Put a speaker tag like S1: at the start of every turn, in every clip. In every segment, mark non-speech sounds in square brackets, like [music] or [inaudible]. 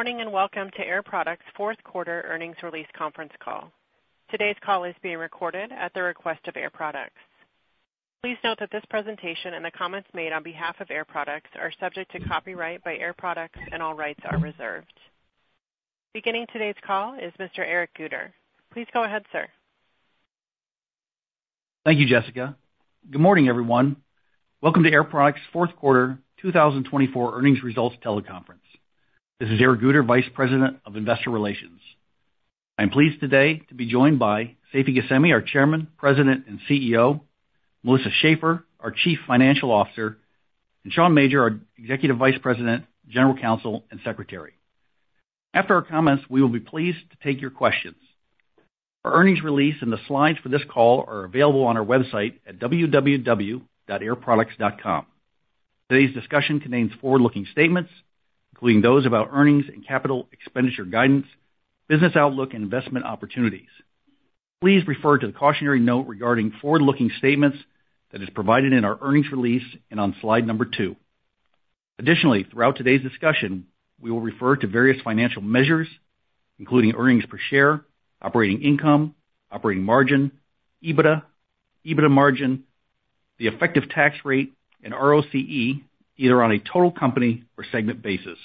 S1: Good morning and welcome to Air Products' Fourth Quarter Earnings Release Conference Call. Today's call is being recorded at the request of Air Products. Please note that this presentation and the comments made on behalf of Air Products are subject to copyright by Air Products, and all rights are reserved. Beginning today's call is Mr. Eric Guter. Please go ahead, sir.
S2: Thank you, Jessica. Good morning, everyone. Welcome to Air Products' fourth quarter 2024 earnings results teleconference. This is Eric Guter, Vice President of Investor Relations. I'm pleased today to be joined by Seifi Ghasemi, our Chairman, President, and CEO, Melissa Schaeffer, our Chief Financial Officer, and Sean Major, our Executive Vice President, General Counsel, and Secretary. After our comments, we will be pleased to take your questions. Our earnings release and the slides for this call are available on our website at www.airproducts.com. Today's discussion contains forward-looking statements, including those about earnings and capital expenditure guidance, business outlook, and investment opportunities. Please refer to the cautionary note regarding forward-looking statements that is provided in our earnings release and on slide number two. Additionally, throughout today's discussion, we will refer to various financial measures, including earnings per share, operating income, operating margin, EBITDA, EBITDA margin, the effective tax rate, and ROCE, either on a total company or segment basis.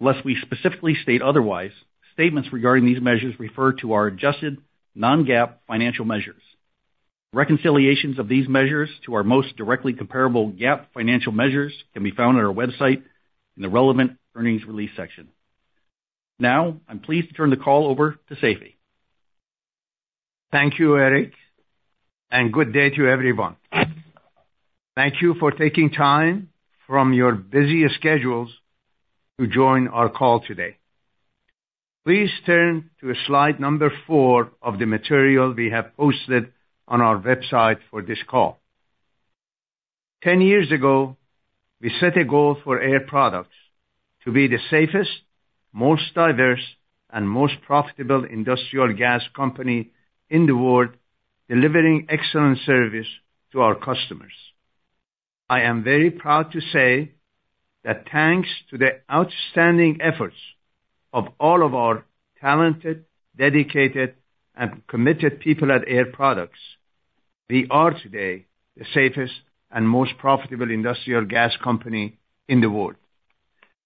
S2: Unless we specifically state otherwise, statements regarding these measures refer to our adjusted non-GAAP financial measures. Reconciliations of these measures to our most directly comparable GAAP financial measures can be found on our website in the relevant earnings release section. Now, I'm pleased to turn the call over to Seifi.
S3: Thank you, Eric, and good day to everyone. Thank you for taking time from your busy schedules to join our call today. Please turn to slide number four of the material we have posted on our website for this call. Ten years ago, we set a goal for Air Products to be the safest, most diverse, and most profitable industrial gas company in the world, delivering excellent service to our customers. I am very proud to say that thanks to the outstanding efforts of all of our talented, dedicated, and committed people at Air Products, we are today the safest and most profitable industrial gas company in the world.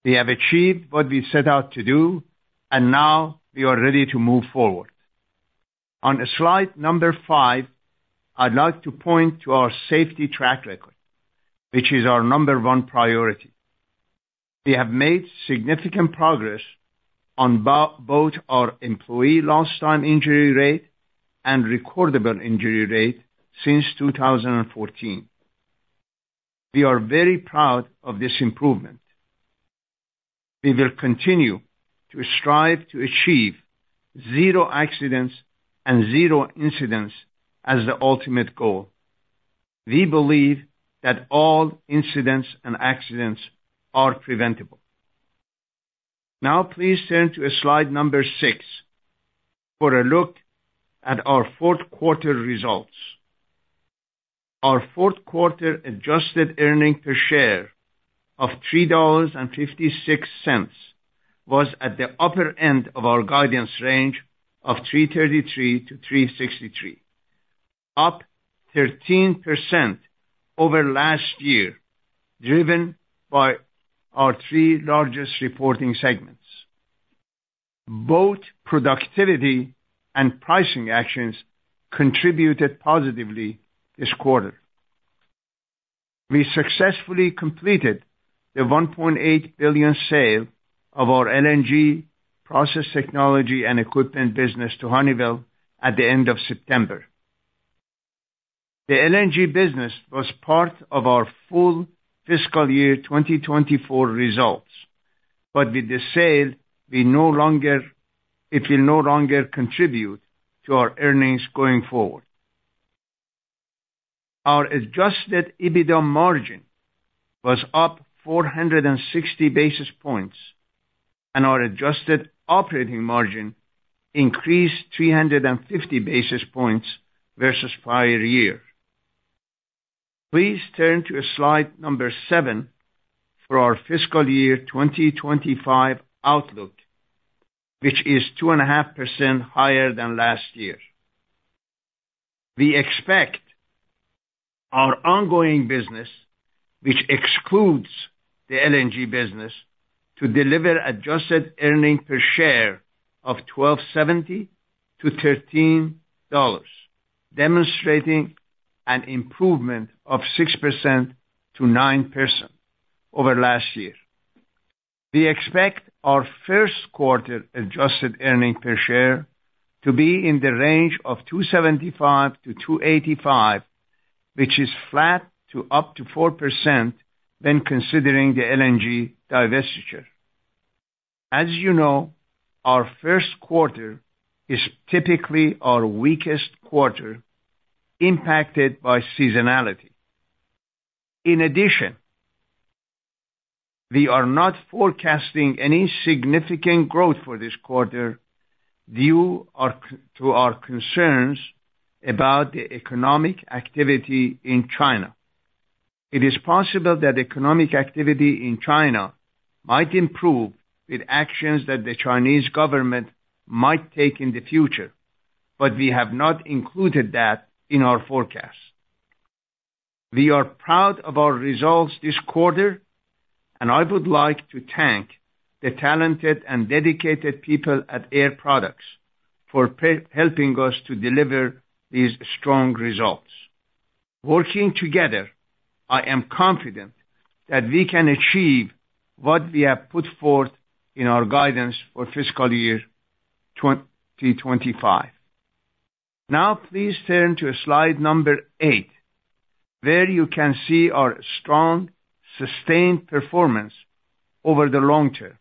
S3: We have achieved what we set out to do, and now we are ready to move forward. On slide number five, I'd like to point to our safety track record, which is our number one priority. We have made significant progress on both our employee lost-time injury rate and recordable injury rate since 2014. We are very proud of this improvement. We will continue to strive to achieve zero accidents and zero incidents as the ultimate goal. We believe that all incidents and accidents are preventable. Now, please turn to slide number six for a look at our fourth quarter results. Our fourth quarter adjusted earnings per share of $3.56 was at the upper end of our guidance range of $3.33-$3.63, up 13% over last year, driven by our three largest reporting segments. Both productivity and pricing actions contributed positively this quarter. We successfully completed the $1.8 billion sale of our LNG process technology and equipment business to Honeywell at the end of September. The LNG business was part of our full fiscal year 2024 results, but with the sale, it will no longer contribute to our earnings going forward. Our adjusted EBITDA margin was up 460 basis points, and our adjusted operating margin increased 350 basis points versus prior year. Please turn to slide number seven for our fiscal year 2025 outlook, which is 2.5% higher than last year. We expect our ongoing business, which excludes the LNG business, to deliver adjusted earnings per share of $12.70-$13, demonstrating an improvement of six percent to nine percent over last year. We expect our first quarter adjusted earnings per share to be in the range of $2.75-$2.85, which is flat to up to four percent when considering the LNG divestiture. As you know, our first quarter is typically our weakest quarter, impacted by seasonality. In addition, we are not forecasting any significant growth for this quarter due to our concerns about the economic activity in China. It is possible that economic activity in China might improve with actions that the Chinese government might take in the future, but we have not included that in our forecast. We are proud of our results this quarter, and I would like to thank the talented and dedicated people at Air Products for helping us to deliver these strong results. Working together, I am confident that we can achieve what we have put forth in our guidance for fiscal year 2025. Now, please turn to slide number eight, where you can see our strong, sustained performance over the long term.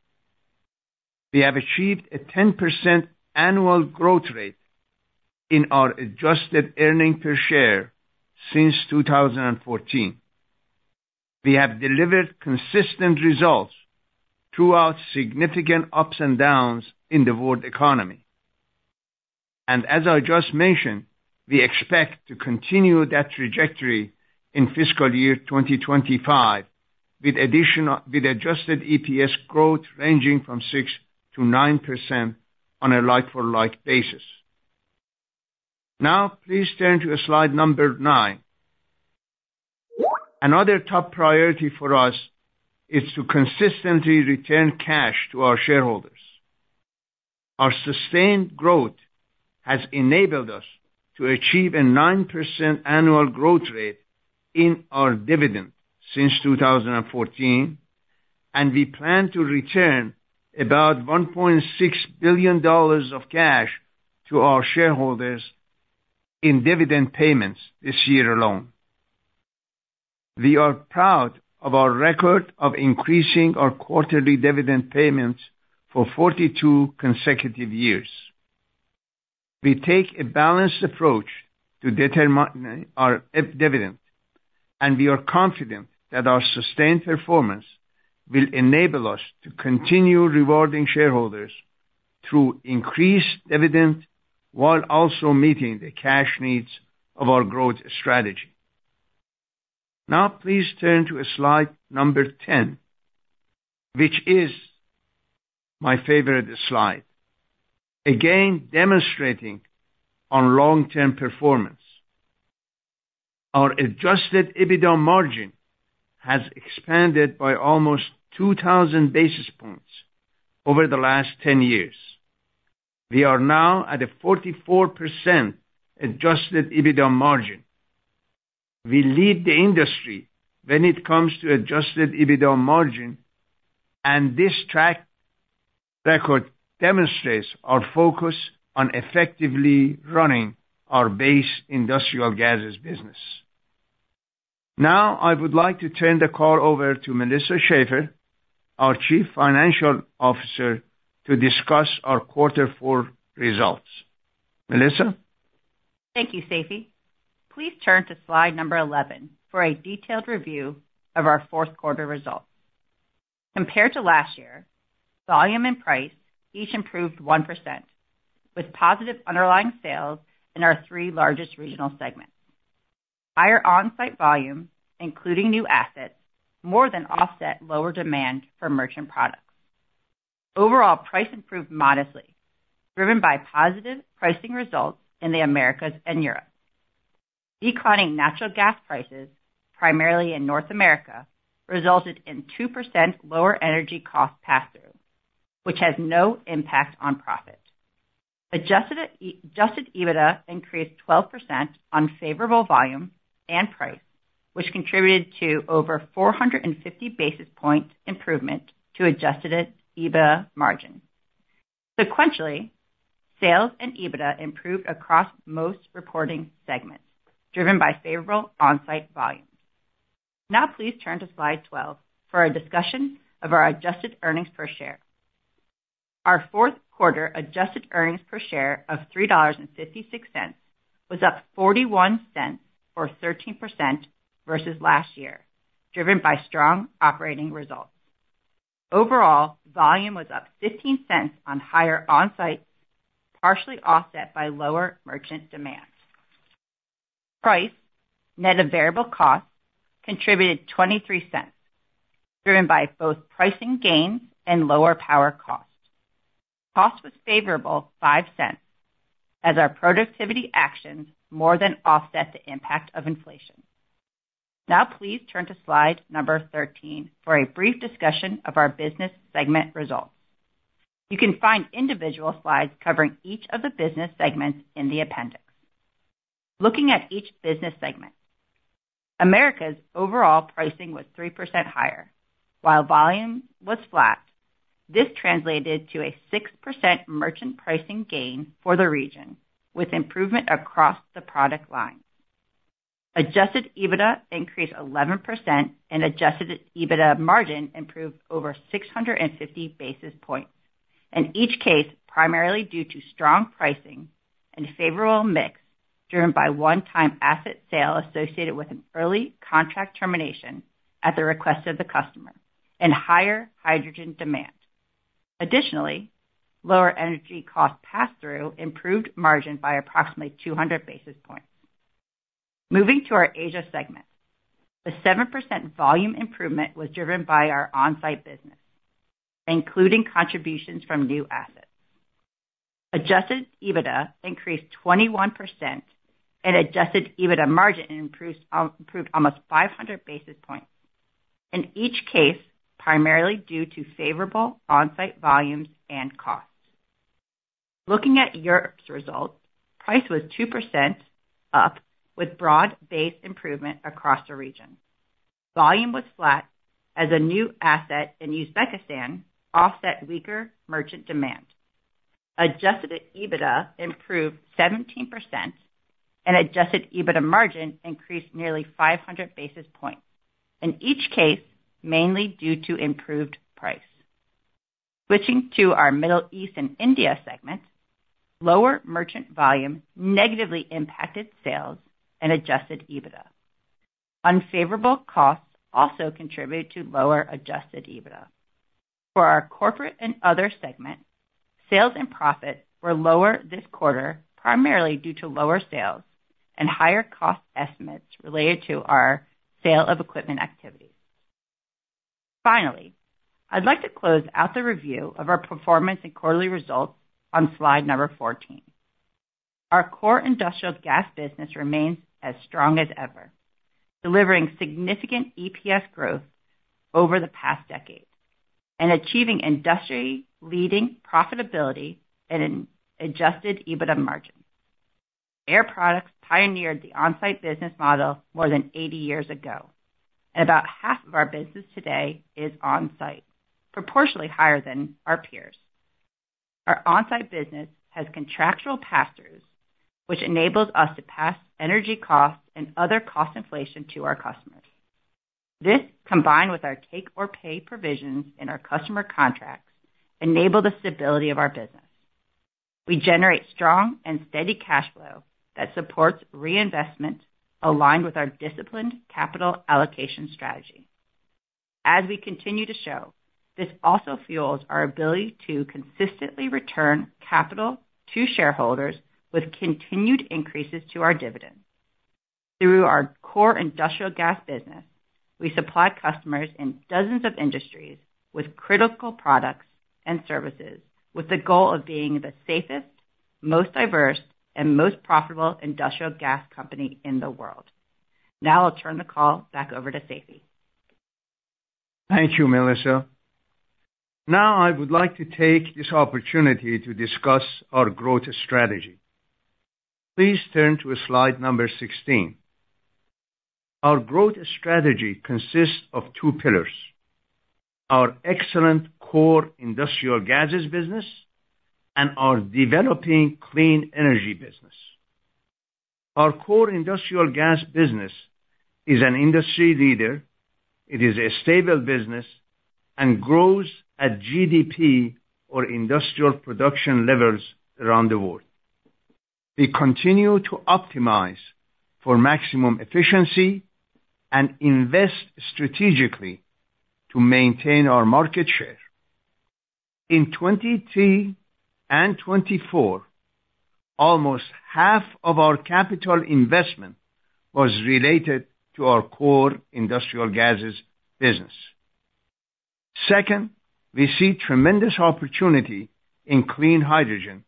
S3: We have achieved a 10% annual growth rate in our adjusted earnings per share since 2014. We have delivered consistent results throughout significant ups and downs in the world economy, and as I just mentioned, we expect to continue that trajectory in fiscal year 2025 with adjusted EPS growth ranging from six to nine percent on a like-for-like basis. Now, please turn to slide number nine. Another top priority for us is to consistently return cash to our shareholders. Our sustained growth has enabled us to achieve a nine percent annual growth rate in our dividend since 2014, and we plan to return about $1.6 billion of cash to our shareholders in dividend payments this year alone. We are proud of our record of increasing our quarterly dividend payments for 42 consecutive years. We take a balanced approach to determine our dividend, and we are confident that our sustained performance will enable us to continue rewarding shareholders through increased dividend while also meeting the cash needs of our growth strategy. Now, please turn to slide number 10, which is my favorite slide, again demonstrating our long-term performance. Our adjusted EBITDA margin has expanded by almost 2,000 basis points over the last 10 years. We are now at a 44% adjusted EBITDA margin. We lead the industry when it comes to adjusted EBITDA margin, and this track record demonstrates our focus on effectively running our base industrial gases business. Now, I would like to turn the call over to Melissa Schaeffer, our Chief Financial Officer, to discuss our quarter four results. Melissa.
S4: Thank you, Seifi. Please turn to slide number 11 for a detailed review of our fourth quarter results. Compared to last year, volume and price each improved one percent, with positive underlying sales in our three largest regional segments. Higher onsite volume, including new assets, more than offset lower demand for merchant products. Overall, price improved modestly, driven by positive pricing results in the Americas and Europe. Declining natural gas prices, primarily in North America, resulted in two percent lower energy cost pass-through, which has no impact on profit. Adjusted EBITDA increased 12% on favorable volume and price, which contributed to over 450 basis points improvement to adjusted EBITDA margin. Sequentially, sales and EBITDA improved across most reporting segments, driven by favorable onsite volume. Now, please turn to slide 12 for a discussion of our adjusted earnings per share. Our fourth quarter adjusted earnings per share of $3.56 was up $0.41 or 13% versus last year, driven by strong operating results. Overall, volume was up $0.15 on higher onsite, partially offset by lower merchant demand. Price, net of variable costs, contributed $0.23, driven by both pricing gains and lower power cost. Cost was favorable $0.05, as our productivity actions more than offset the impact of inflation. Now, please turn to slide number 13 for a brief discussion of our business segment results. You can find individual slides covering each of the business segments in the appendix. Looking at each business segment, Americas overall pricing was three percent higher, while volume was flat. This translated to a six percent merchant pricing gain for the region, with improvement across the product line. Adjusted EBITDA increased 11%, and adjusted EBITDA margin improved over 650 basis points, in each case primarily due to strong pricing and favorable mix, driven by one-time asset sale associated with an early contract termination at the request of the customer and higher hydrogen demand. Additionally, lower energy cost pass-through improved margin by approximately 200 basis points. Moving to our Asia segment, the seven percent volume improvement was driven by our onsite business, including contributions from new assets. Adjusted EBITDA increased 21%, and adjusted EBITDA margin improved almost 500 basis points, in each case primarily due to favorable onsite volumes and costs. Looking at Europe's results, price was two percent up, with broad base improvement across the region. Volume was flat as a new asset in Uzbekistan offset weaker merchant demand. Adjusted EBITDA improved 17%, and adjusted EBITDA margin increased nearly 500 basis points, in each case mainly due to improved price. Switching to our Middle East and India segment, lower merchant volume negatively impacted sales and adjusted EBITDA. Unfavorable costs also contributed to lower adjusted EBITDA. For our corporate and other segment, sales and profit were lower this quarter primarily due to lower sales and higher cost estimates related to our sale of equipment activities. Finally, I'd like to close out the review of our performance and quarterly results on slide number 14. Our core industrial gas business remains as strong as ever, delivering significant EPS growth over the past decade and achieving industry-leading profitability and adjusted EBITDA margin. Air Products pioneered the onsite business model more than 80 years ago, and about half of our business today is onsite, proportionally higher than our peers. Our onsite business has contractual pass-throughs, which enables us to pass energy costs and other cost inflation to our customers. This, combined with our take-or-pay provisions in our customer contracts, enables the stability of our business. We generate strong and steady cash flow that supports reinvestment aligned with our disciplined capital allocation strategy. As we continue to show, this also fuels our ability to consistently return capital to shareholders with continued increases to our dividend. Through our core industrial gas business, we supply customers in dozens of industries with critical products and services, with the goal of being the safest, most diverse, and most profitable industrial gas company in the world. Now, I'll turn the call back over to Seifi.
S3: Thank you, Melissa. Now, I would like to take this opportunity to discuss our growth strategy. Please turn to slide number 16. Our growth strategy consists of two pillars: our excellent core industrial gases business and our developing clean energy business. Our core industrial gas business is an industry leader. It is a stable business and grows at GDP or industrial production levels around the world. We continue to optimize for maximum efficiency and invest strategically to maintain our market share. In 2023 and 2024, almost half of our capital investment was related to our core industrial gases business. Second, we see tremendous opportunity in clean hydrogen,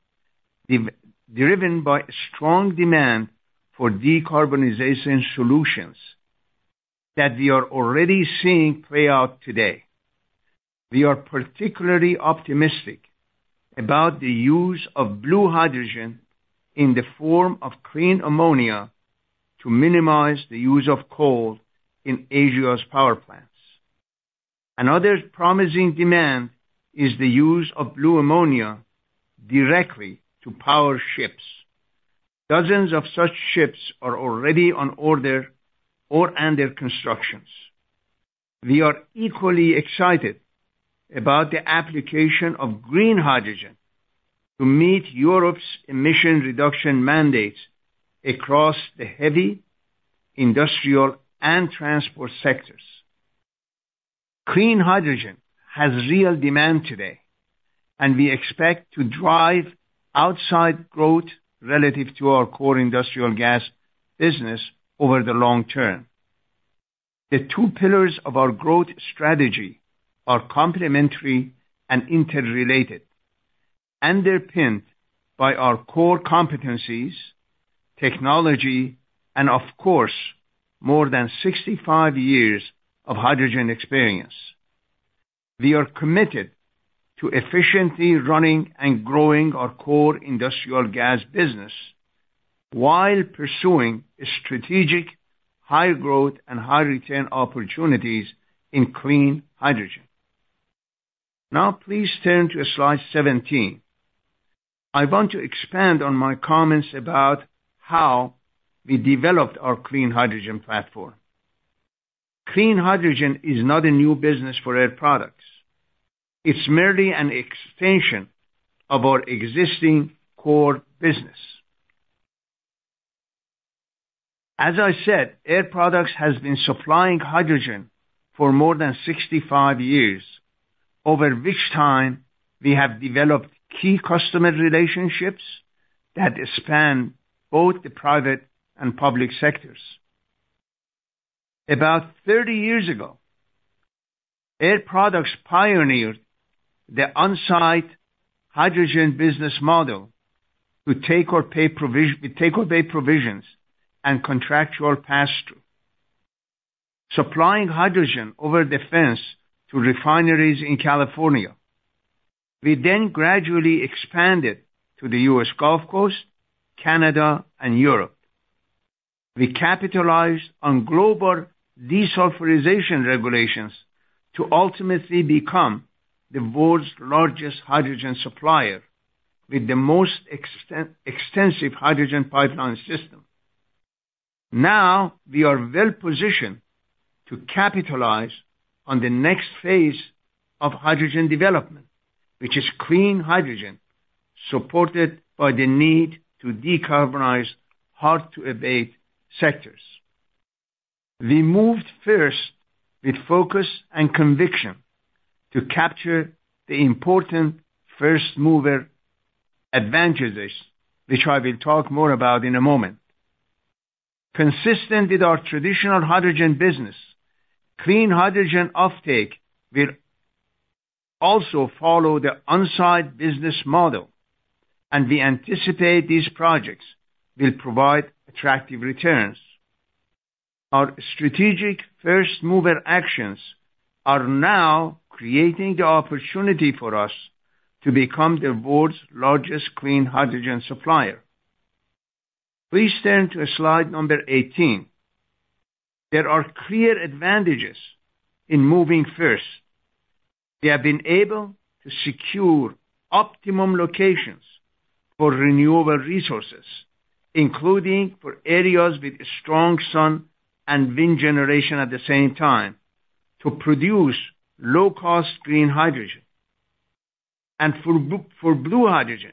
S3: driven by strong demand for decarbonization solutions that we are already seeing play out today. We are particularly optimistic about the use of blue hydrogen in the form of clean ammonia to minimize the use of coal in Asia's power plants. Another promising demand is the use of blue ammonia directly to power ships. Dozens of such ships are already on order or under construction. We are equally excited about the application of green hydrogen to meet Europe's emission reduction mandates across the heavy industrial and transport sectors. Clean hydrogen has real demand today, and we expect to drive outside growth relative to our core industrial gas business over the long term. The two pillars of our growth strategy are complementary and interrelated, underpinned by our core competencies, technology, and, of course, more than 65 years of hydrogen experience. We are committed to efficiently running and growing our core industrial gas business while pursuing strategic high growth and high return opportunities in clean hydrogen. Now, please turn to slide 17. I want to expand on my comments about how we developed our clean hydrogen platform. Clean hydrogen is not a new business for Air Products. It's merely an extension of our existing core business. As I said, Air Products has been supplying hydrogen for more than 65 years, over which time we have developed key customer relationships that span both the private and public sectors. About 30 years ago, Air Products pioneered the onsite hydrogen business model to take-or-pay provisions and contractual pass-through, supplying hydrogen over the fence to refineries in California. We then gradually expanded to the U.S. Gulf Coast, Canada, and Europe. We capitalized on global desulfurization regulations to ultimately become the world's largest hydrogen supplier with the most extensive hydrogen pipeline system. Now, we are well positioned to capitalize on the next phase of hydrogen development, which is clean hydrogen, supported by the need to decarbonize hard-to-abate sectors. We moved first with focus and conviction to capture the important first-mover advantages, which I will talk more about in a moment. Consistent with our traditional hydrogen business, clean hydrogen offtake will also follow the onsite business model, and we anticipate these projects will provide attractive returns. Our strategic first-mover actions are now creating the opportunity for us to become the world's largest clean hydrogen supplier. Please turn to slide number 18. There are clear advantages in moving first. We have been able to secure optimum locations for renewable resources, including for areas with strong sun and wind generation at the same time, to produce low-cost green hydrogen, and for blue hydrogen,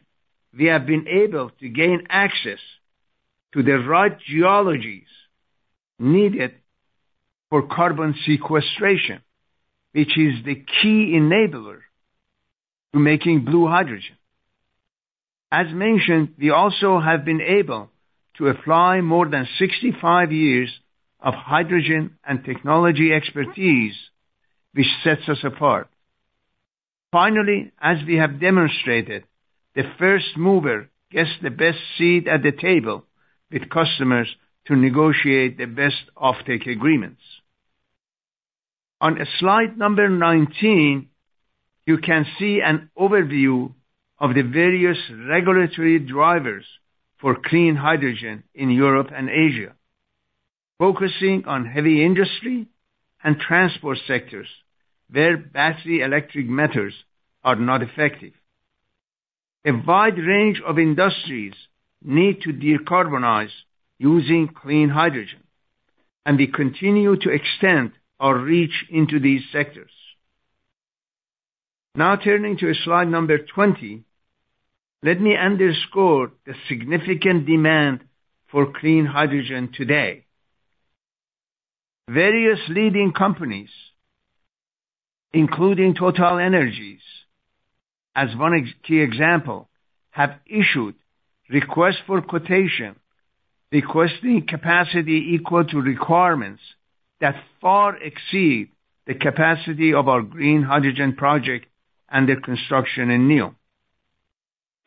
S3: we have been able to gain access to the right geologies needed for carbon sequestration, which is the key enabler to making blue hydrogen. As mentioned, we also have been able to apply more than 65 years of hydrogen and technology expertise, which sets us apart. Finally, as we have demonstrated, the first-mover gets the best seat at the table with customers to negotiate the best offtake agreements. On slide number 19, you can see an overview of the various regulatory drivers for clean hydrogen in Europe and Asia, focusing on heavy industry and transport sectors where battery electric vehicles are not effective. A wide range of industries need to decarbonize using clean hydrogen, and we continue to extend our reach into these sectors. Now, turning to slide number 20, let me underscore the significant demand for clean hydrogen today. Various leading companies, including TotalEnergies, as one key example, have issued requests for quotation requesting capacity equal to requirements that far exceed the capacity of our Green Hydrogen project under construction in NEOM.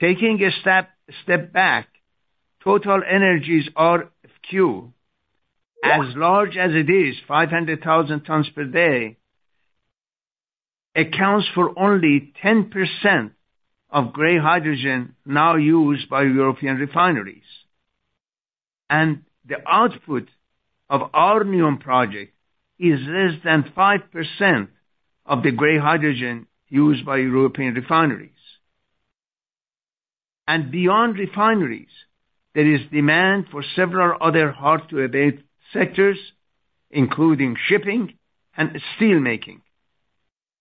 S3: Taking a step back, TotalEnergies' RFQ, as large as it is, 500,000 tons per day, accounts for only 10% of gray hydrogen now used by European refineries. And the output of our NEOM project is less than five percent of the gray hydrogen used by European refineries. And beyond refineries, there is demand for several other hard-to-abate sectors, including shipping and steelmaking.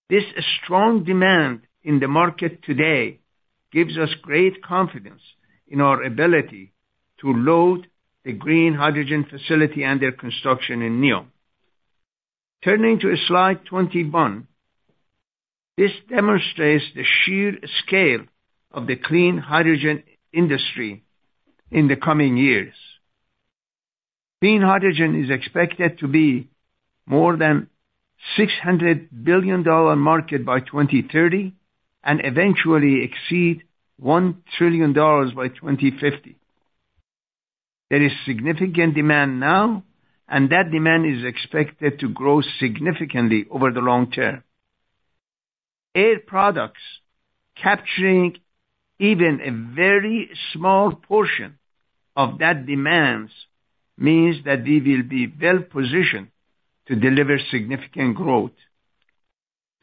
S3: This strong demand in the market today gives us great confidence in our ability to load the green hydrogen facility under construction in NEOM. Turning to slide 21, this demonstrates the sheer scale of the clean hydrogen industry in the coming years. Clean hydrogen is expected to be more than $600 billion market by 2030 and eventually exceed $1 trillion by 2050. There is significant demand now, and that demand is expected to grow significantly over the long term. Air Products capturing even a very small portion of that demand means that we will be well positioned to deliver significant growth.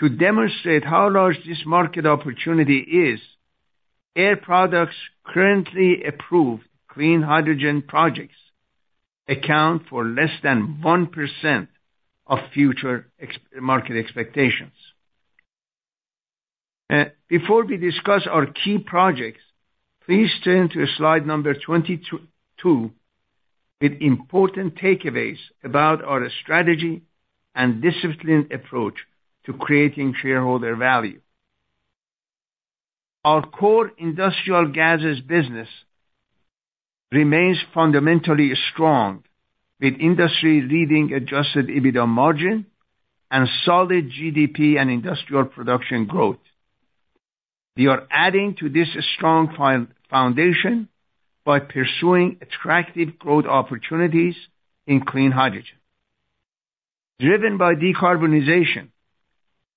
S3: To demonstrate how large this market opportunity is, Air Products' currently approved clean hydrogen projects account for less than one percent of future market expectations. Before we discuss our key projects, please turn to slide number 22 with important takeaways about our strategy and disciplined approach to creating shareholder value. Our core industrial gases business remains fundamentally strong with industry-leading adjusted EBITDA margin and solid GDP and industrial production growth. We are adding to this strong foundation by pursuing attractive growth opportunities in clean hydrogen. Driven by decarbonization,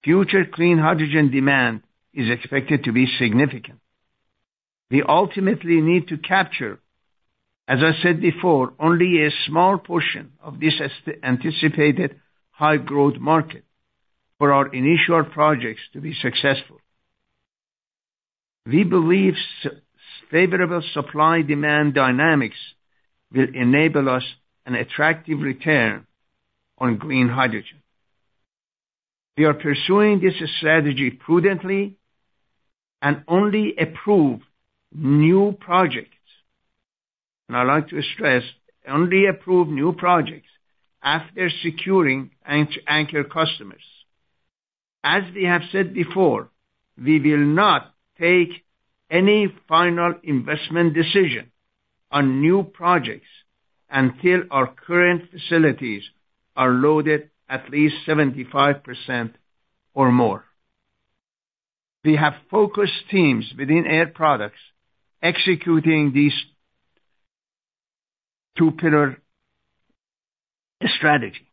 S3: future clean hydrogen demand is expected to be significant. We ultimately need to capture, as I said before, only a small portion of this anticipated high-growth market for our initial projects to be successful. We believe favorable supply-demand dynamics will enable us an attractive return on green hydrogen. We are pursuing this strategy prudently and only approve new projects. And I'd like to stress, only approve new projects after securing anchor customers. As we have said before, we will not take any final investment decision on new projects until our current facilities are loaded at least 75% or more. We have focused teams within Air Products executing this two-pillar strategy.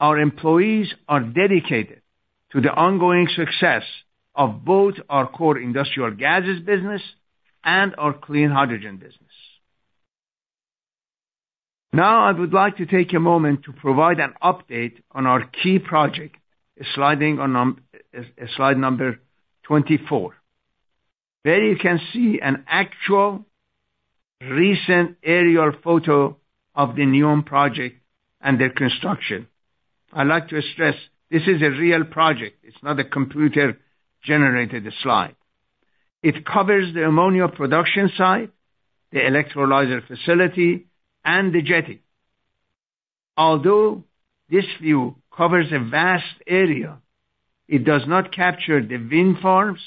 S3: Our employees are dedicated to the ongoing success of both our core industrial gases business and our clean hydrogen business. Now, I would like to take a moment to provide an update on our key project, sliding on slide number 24. There you can see an actual recent aerial photo of the NEOM project under construction. I'd like to stress, this is a real project. It's not a computer-generated slide. It covers the ammonia production site, the electrolyzer facility, and the jetty. Although this view covers a vast area, it does not capture the wind farms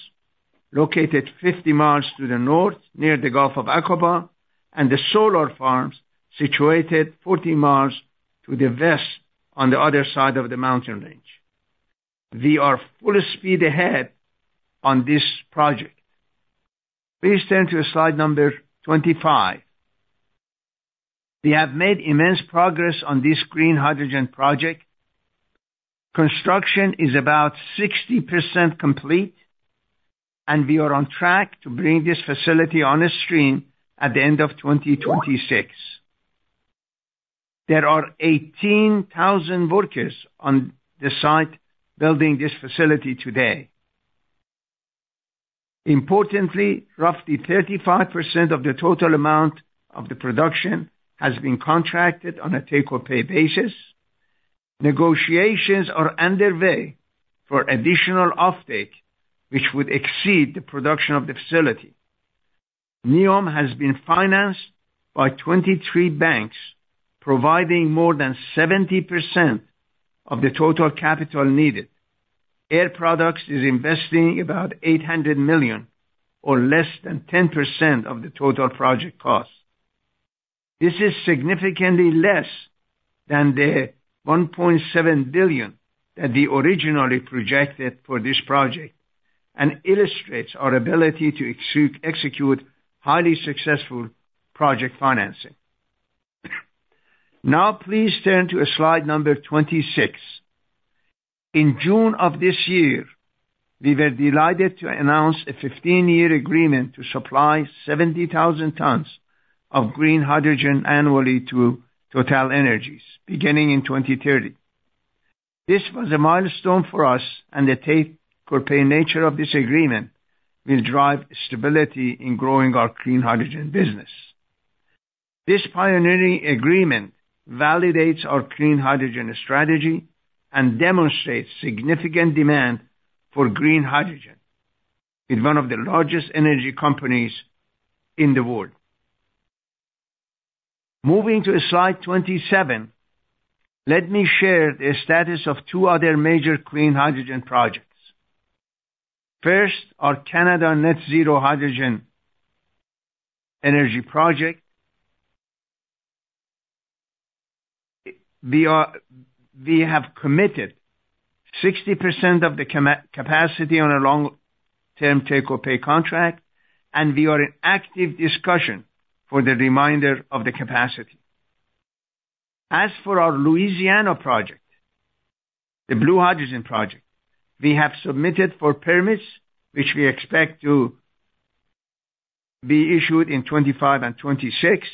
S3: located 50 mi to the north near the Gulf of Aqaba and the solar farms situated 40 mi to the west on the other side of the mountain range. We are full speed ahead on this project. Please turn to slide number 25. We have made immense progress on this green hydrogen project. Construction is about 60% complete, and we are on track to bring this facility onstream at the end of 2026. There are 18,000 workers on the site building this facility today. Importantly, roughly 35% of the total amount of the production has been contracted on a take-or-pay basis. Negotiations are underway for additional offtake, which would exceed the production of the facility. NEOM has been financed by 23 banks, providing more than 70% of the total capital needed. Air Products is investing about $800 million, or less than 10% of the total project cost. This is significantly less than the $1.7 billion that we originally projected for this project and illustrates our ability to execute highly successful project financing. Now, please turn to slide number 26. In June of this year, we were delighted to announce a 15-year agreement to supply 70,000 tons of green hydrogen annually to TotalEnergies, beginning in 2030. This was a milestone for us, and the take-or-pay nature of this agreement will drive stability in growing our clean hydrogen business. This pioneering agreement validates our clean hydrogen strategy and demonstrates significant demand for green hydrogen with one of the largest energy companies in the world. Moving to slide 27, let me share the status of two other major clean hydrogen projects. First, our Canada Net Zero Hydrogen Energy Project. We have committed 60% of the capacity on a long-term take-or-pay contract, and we are in active discussion for the remainder of the capacity. As for our Louisiana project, the Blue Hydrogen project, we have submitted for permits, which we expect to be issued in 2025 and 2026,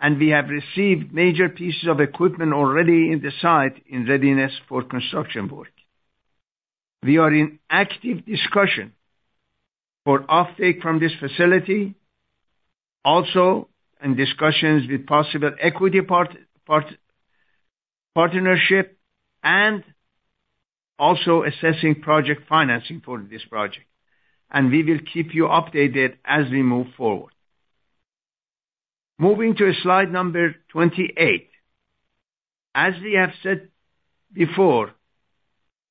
S3: and we have received major pieces of equipment already in the site in readiness for construction work. We are in active discussion for offtake from this facility, also in discussions with possible equity partnership, and also assessing project financing for this project, and we will keep you updated as we move forward. Moving to slide number 28. As we have said before,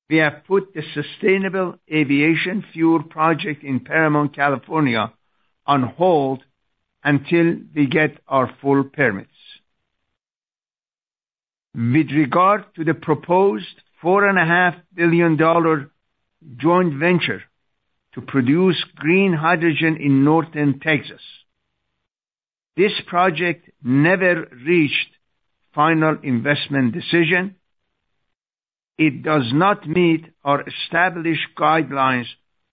S3: we have put the sustainable aviation fuel project in Paramount, California, on hold until we get our full permits. With regard to the proposed $4.5 billion joint venture to produce green hydrogen in North Texas, this project never reached final investment decision. It does not meet our established guidelines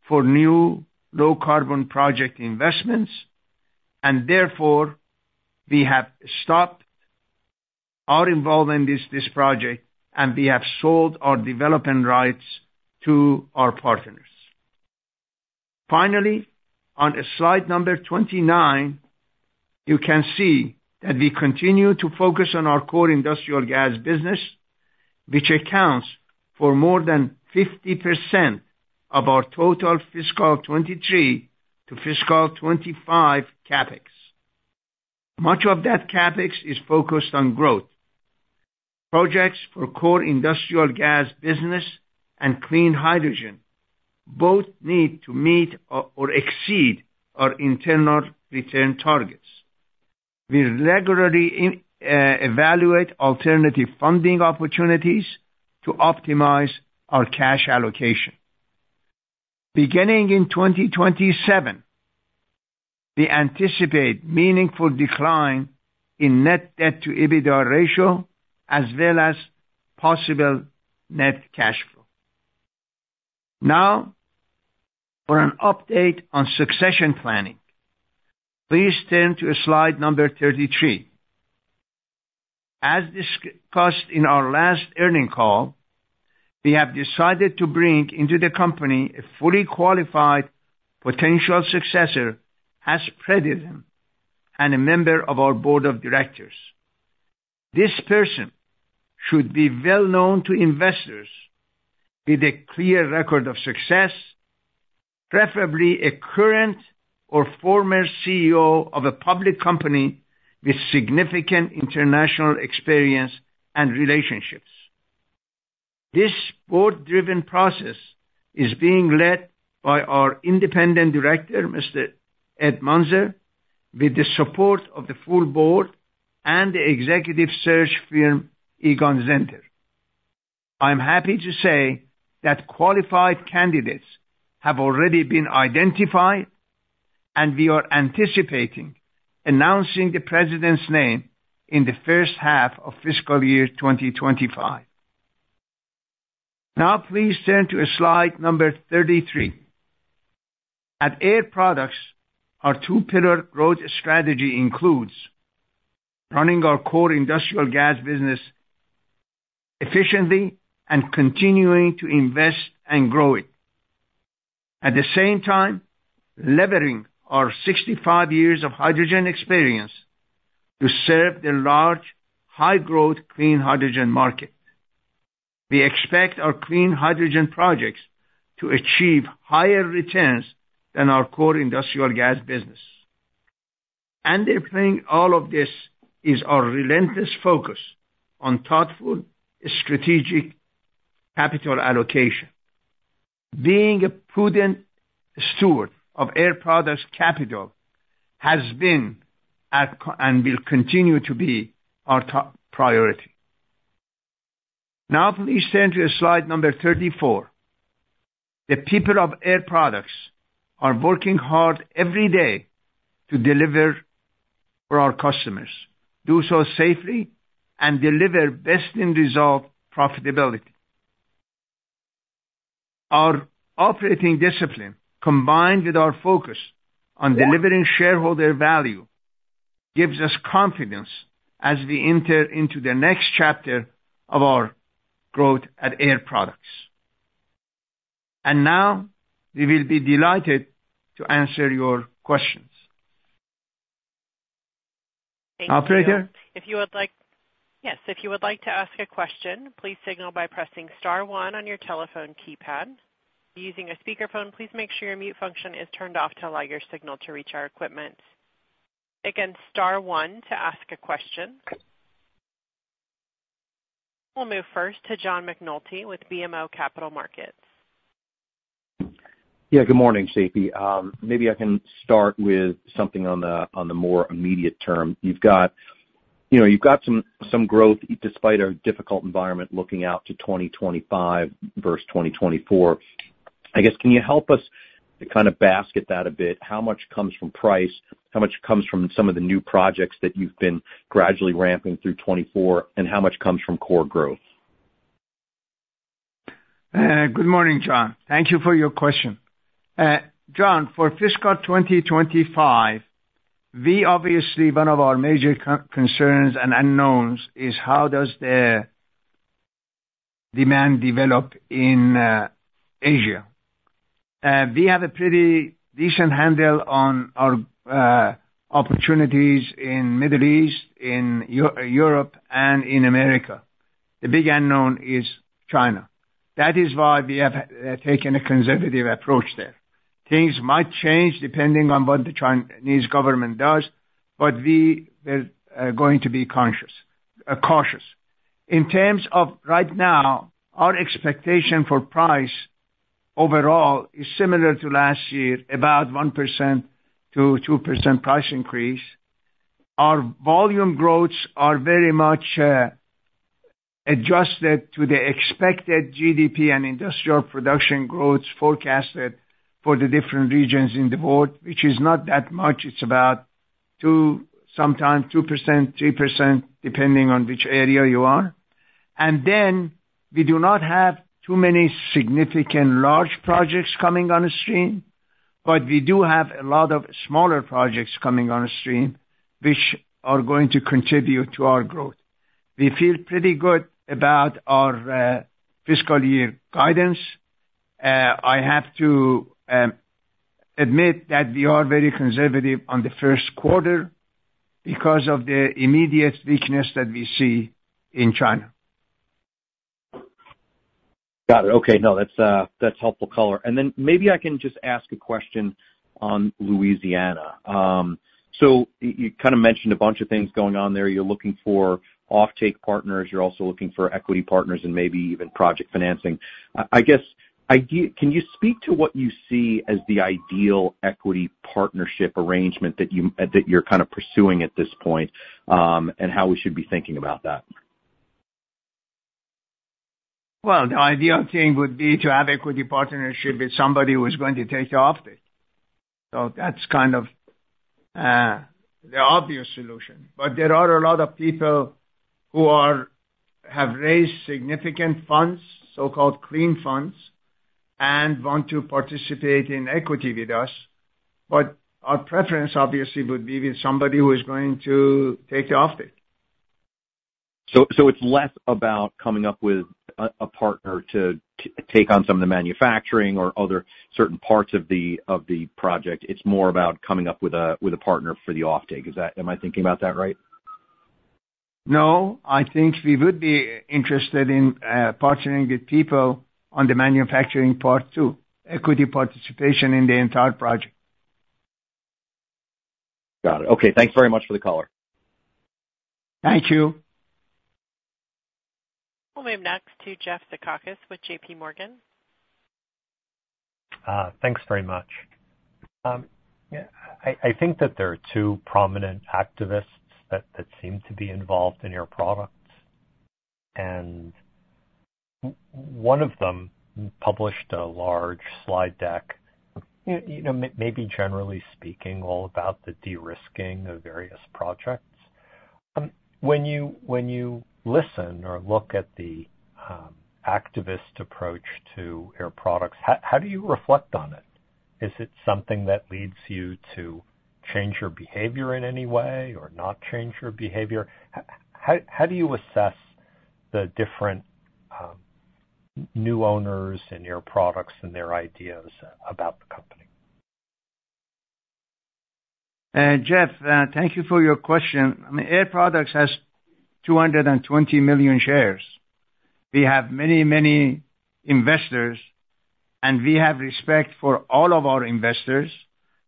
S3: for new low-carbon project investments, and therefore, we have stopped our involvement in this project, and we have sold our development rights to our partners. Finally, on slide number 29, you can see that we continue to focus on our core industrial gas business, which accounts for more than 50% of our total fiscal 2023 to fiscal 2025 CapEx. Much of that CapEx is focused on growth. Projects for core industrial gas business and clean hydrogen both need to meet or exceed our internal return targets. We regularly evaluate alternative funding opportunities to optimize our cash allocation. Beginning in 2027, we anticipate meaningful decline in net debt-to-EBITDA ratio, as well as possible net cash flow. Now, for an update on succession planning, please turn to slide number 33. As discussed in our last earnings call, we have decided to bring into the company a fully qualified potential successor as president and a member of our board of directors. This person should be well known to investors with a clear record of success, preferably a current or former CEO of a public company with significant international experience and relationships. This board-driven process is being led by our independent director, Mr. Ed Monser, with the support of the full board and the executive search firm, Egon Zehnder. I'm happy to say that qualified candidates have already been identified, and we are anticipating announcing the president's name in the first half of fiscal year 2025. Now, please turn to slide number 33. At Air Products, our two-pillar growth strategy includes running our core industrial gas business efficiently and continuing to invest and grow it. At the same time, levering our 65 years of hydrogen experience to serve the large, high-growth clean hydrogen market. We expect our clean hydrogen projects to achieve higher returns than our core industrial gas business. Underpinning all of this is our relentless focus on thoughtful, strategic capital allocation. Being a prudent steward of Air Products' capital has been and will continue to be our top priority. Now, please turn to slide number 34. The people of Air Products are working hard every day to deliver for our customers, do so safely, and deliver best-in-result profitability. Our operating discipline, combined with our focus on delivering shareholder value, gives us confidence as we enter into the next chapter of our growth at Air Products, and now we will be delighted to answer your questions.
S1: Thank you. If you would like to ask a question, please signal by pressing star one on your telephone keypad. Using a speakerphone, please make sure your mute function is turned off to allow your signal to reach our equipment. Again, star one to ask a question. We'll move first to John McNulty with BMO Capital Markets.
S5: Yeah, good morning, Seifi. Maybe I can start with something on the more immediate term. You've got some growth despite a difficult environment looking out to 2025 versus 2024. I guess, can you help us kind of basket that a bit? How much comes from price? How much comes from some of the new projects that you've been gradually ramping through 2024? And how much comes from core growth?
S3: Good morning, John. Thank you for your question. John, for fiscal 2025, obviously, one of our major concerns and unknowns is how does the demand develop in Asia. We have a pretty decent handle on our opportunities in the Middle East, in Europe, and in America. The big unknown is China. That is why we have taken a conservative approach there. Things might change depending on what the Chinese government does, but we are going to be cautious. In terms of right now, our expectation for price overall is similar to last year, about one percent to two percent price increase. Our volume growths are very much adjusted to the expected GDP and industrial production growth forecasted for the different regions in the world, which is not that much. It's about sometimes two percent to three percent, depending on which area you are. And then we do not have too many significant large projects coming on the stream, but we do have a lot of smaller projects coming on the stream, which are going to contribute to our growth. We feel pretty good about our fiscal year guidance. I have to admit that we are very conservative on the first quarter because of the immediate weakness that we see in China.
S5: Got it. Okay. No, that's helpful color. And then maybe I can just ask a question on Louisiana. So you kind of mentioned a bunch of things going on there. You're looking for offtake partners. You're also looking for equity partners and maybe even project financing. I guess, can you speak to what you see as the ideal equity partnership arrangement that you're kind of pursuing at this point and how we should be thinking about that?
S3: The ideal thing would be to have an equity partnership with somebody who is going to take the offtake. So that's kind of the obvious solution. But there are a lot of people who have raised significant funds, so-called clean funds, and want to participate in equity with us. But our preference, obviously, would be with somebody who is going to take the offtake.
S5: So it's less about coming up with a partner to take on some of the manufacturing or other certain parts of the project. It's more about coming up with a partner for the offtake. Am I thinking about that right?
S3: No, I think we would be interested in partnering with people on the manufacturing part too, equity participation in the entire project.
S5: Got it. Okay. Thanks very much for the color.
S3: Thank you.
S1: We'll move next to Jeff Zekauskas with JPMorgan.
S6: Thanks very much. I think that there are two prominent activists that seem to be involved in Air Products. One of them published a large slide deck, maybe generally speaking, all about the de-risking of various projects. When you listen or look at the activist approach to Air Products, how do you reflect on it? Is it something that leads you to change your behavior in any way or not change your behavior? How do you assess the different new owners and Air Products and their ideas about the company?
S3: Jeff, thank you for your question. Air Products has 220 million shares. We have many, many investors, and we have respect for all of our investors.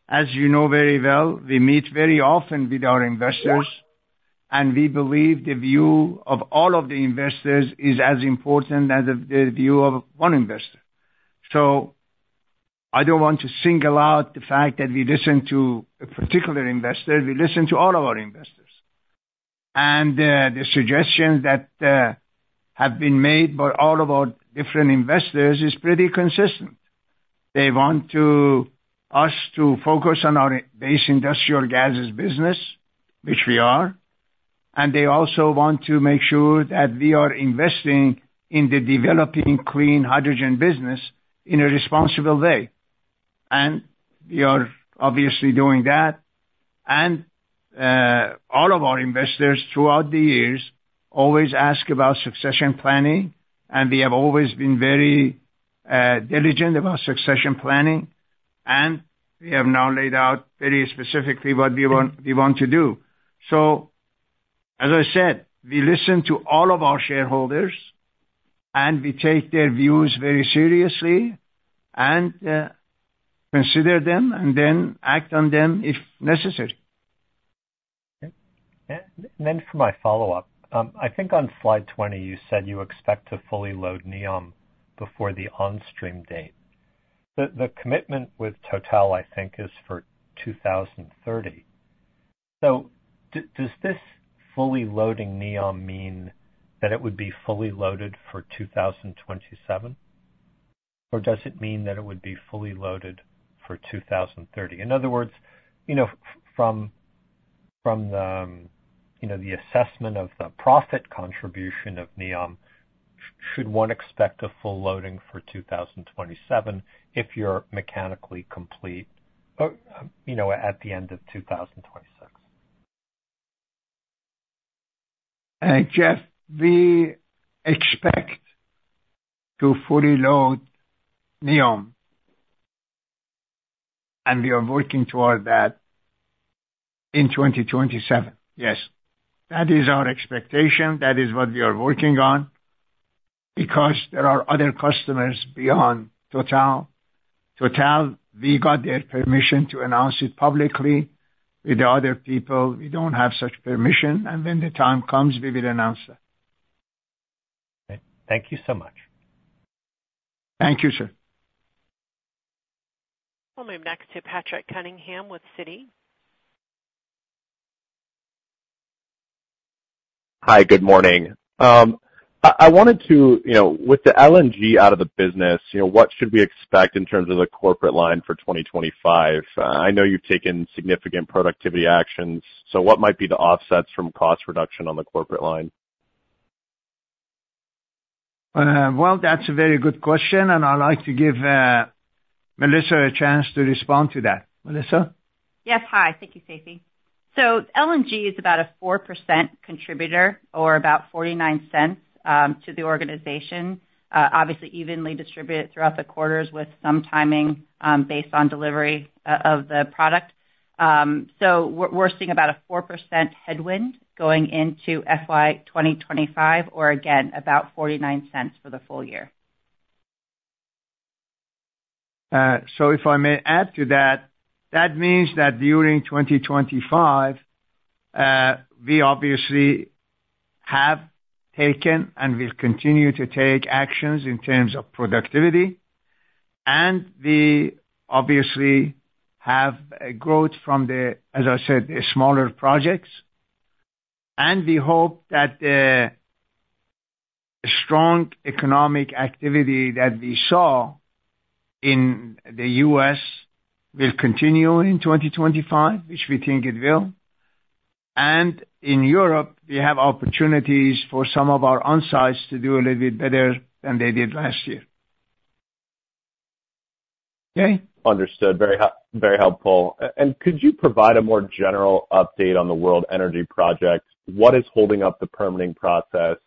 S3: As you know very well, we meet very often with our investors, and we believe the view of all of the investors is as important as the view of one investor. So I don't want to single out the fact that we listen to a particular investor. We listen to all of our investors. And the suggestions that have been made by all of our different investors is pretty consistent. They want us to focus on our base industrial gases business, which we are. And they also want to make sure that we are investing in the developing clean hydrogen business in a responsible way. And we are obviously doing that. All of our investors throughout the years always ask about succession planning, and we have always been very diligent about succession planning. We have now laid out very specifically what we want to do. As I said, we listen to all of our shareholders, and we take their views very seriously and consider them and then act on them if necessary.
S6: And then, for my follow-up, I think on slide 20, you said you expect to fully load NEOM before the on-stream date. The commitment with Total, I think, is for 2030. So does this fully loading NEOM mean that it would be fully loaded for 2027? Or does it mean that it would be fully loaded for 2030? In other words, from the assessment of the profit contribution of NEOM, should one expect a full loading for 2027 if you're mechanically complete at the end of 2026?
S3: Jeff, we expect to fully load NEOM, and we are working toward that in 2027. Yes. That is our expectation. That is what we are working on because there are other customers beyond Total. Total, we got their permission to announce it publicly with the other people. We don't have such permission, and when the time comes, we will announce that.
S6: Thank you so much.
S3: Thank you, sir.
S1: We'll move next to Patrick Cunningham with Citi.
S7: Hi, good morning. I wanted to, with the LNG out of the business, what should we expect in terms of the corporate line for 2025? I know you've taken significant productivity actions. So what might be the offsets from cost reduction on the corporate line?
S3: That's a very good question, and I'd like to give Melissa a chance to respond to that. Melissa?
S4: Yes. Hi. Thank you, Seifi. So LNG is about a four percent contributor or about $0.49 to the organization, obviously evenly distributed throughout the quarters with some timing based on delivery of the product. So we're seeing about a four percent headwind going into FY 2025, or again, about $0.49 for the full year.
S3: So if I may add to that, that means that during 2025, we obviously have taken and will continue to take actions in terms of productivity. And we obviously have growth from, as I said, the smaller projects. And we hope that the strong economic activity that we saw in the U.S. will continue in 2025, which we think it will. And in Europe, we have opportunities for some of our onsites to do a little bit better than they did last year. Okay?
S7: Understood. Very helpful. And could you provide a more general update on the World Energy project? What is holding up the permitting process?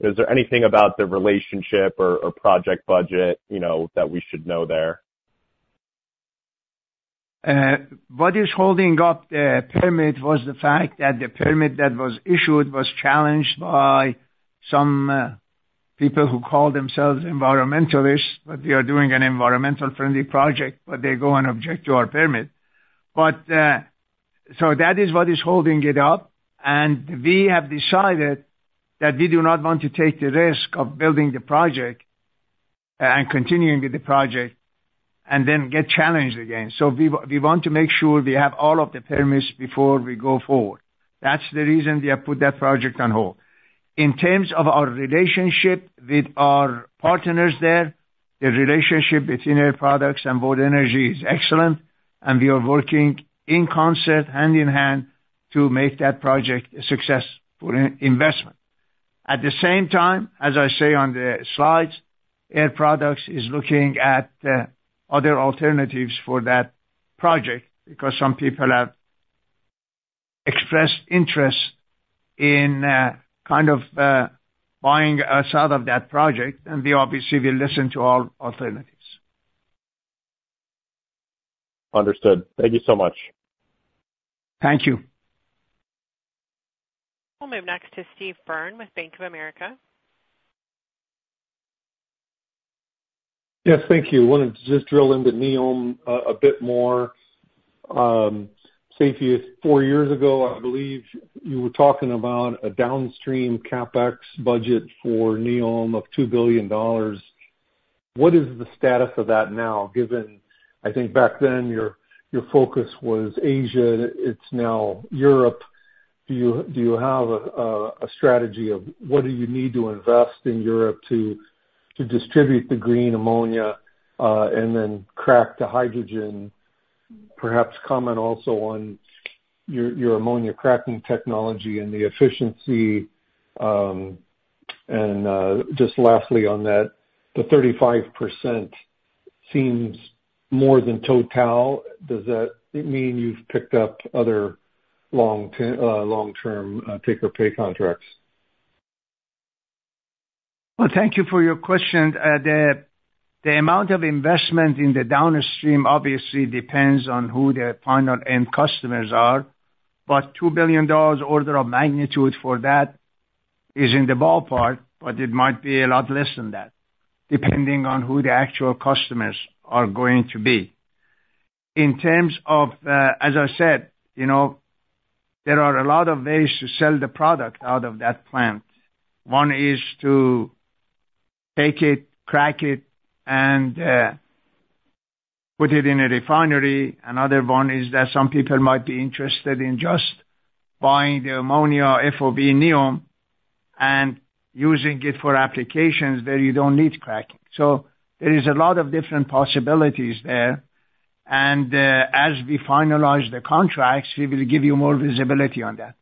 S7: Is there anything about the relationship or project budget that we should know there?
S3: What is holding up the permit was the fact that the permit that was issued was challenged by some people who call themselves environmentalists, but they are doing an environmentally friendly project, but they go and object to our permit. So that is what is holding it up, and we have decided that we do not want to take the risk of building the project and continuing with the project and then get challenged again. So we want to make sure we have all of the permits before we go forward. That's the reason we have put that project on hold. In terms of our relationship with our partners there, the relationship between Air Products and World Energy is excellent, and we are working in concert, hand in hand, to make that project a successful investment. At the same time, as I say on the slides, Air Products is looking at other alternatives for that project because some people have expressed interest in kind of buying outside of that project. And we obviously will listen to all alternatives.
S7: Understood. Thank you so much.
S3: Thank you.
S1: We'll move next to Steve Byrne with Bank of America.
S8: Yes, thank you. I wanted to just drill into NEOM a bit more. Seifi, four years ago, I believe you were talking about a downstream CapEx budget for NEOM of $2 billion. What is the status of that now, given, I think, back then your focus was Asia? It's now Europe. Do you have a strategy of what do you need to invest in Europe to distribute the green ammonia and then crack the hydrogen? Perhaps comment also on your ammonia cracking technology and the efficiency. And just lastly on that, the 35% seems more than Total. Does that mean you've picked up other long-term take-or-pay contracts?
S3: Thank you for your question. The amount of investment in the downstream obviously depends on who the final end customers are. But $2 billion order of magnitude for that is in the ballpark, but it might be a lot less than that, depending on who the actual customers are going to be. In terms of, as I said, there are a lot of ways to sell the product out of that plant. One is to take it, crack it, and put it in a refinery. Another one is that some people might be interested in just buying the ammonia FOB NEOM and using it for applications where you don't need cracking. So there is a lot of different possibilities there. And as we finalize the contracts, we will give you more visibility on that.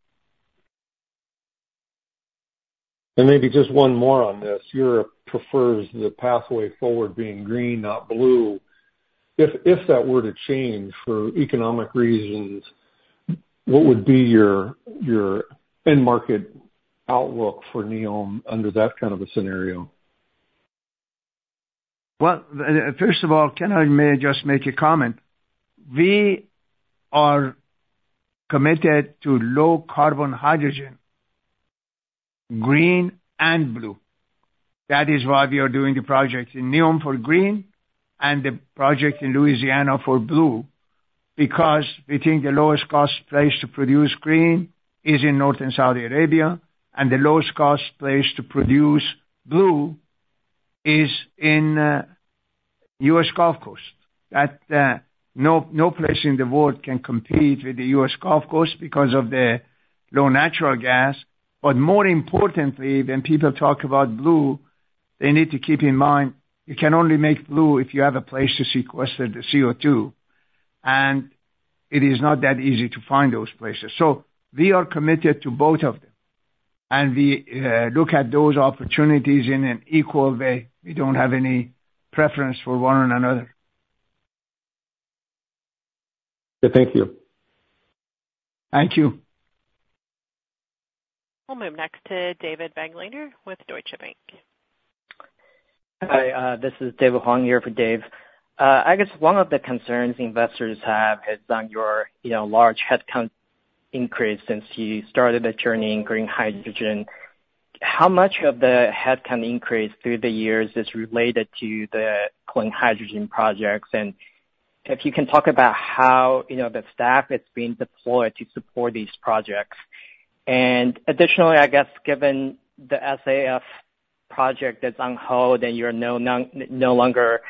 S8: And maybe just one more on this. Europe prefers the pathway forward being green, not blue. If that were to change for economic reasons, what would be your end market outlook for NEOM under that kind of a scenario?
S3: First of all, can I just make a comment? We are committed to low carbon hydrogen, green, and blue. That is why we are doing the project in NEOM for green and the project in Louisiana for blue, because we think the lowest cost place to produce green is in NEOM and Saudi Arabia, and the lowest cost place to produce blue is in U.S. Gulf Coast. No place in the world can compete with the U.S. Gulf Coast because of the low natural gas. But more importantly, when people talk about blue, they need to keep in mind you can only make blue if you have a place to sequester the CO2. And it is not that easy to find those places. So we are committed to both of them. And we look at those opportunities in an equal way. We don't have any preference for one or another.
S8: Yeah. Thank you.
S3: Thank you.
S1: We'll move next to David Begleiter with Deutsche Bank.
S9: Hi. This is David Hong here for Dave. I guess one of the concerns investors have is on your large headcount increase since you started the journey in green hydrogen. How much of the headcount increase through the years is related to the clean hydrogen projects? And if you can talk about how the staff has been deployed to support these projects. And additionally, I guess, given the SAF project that's on hold and you're no longer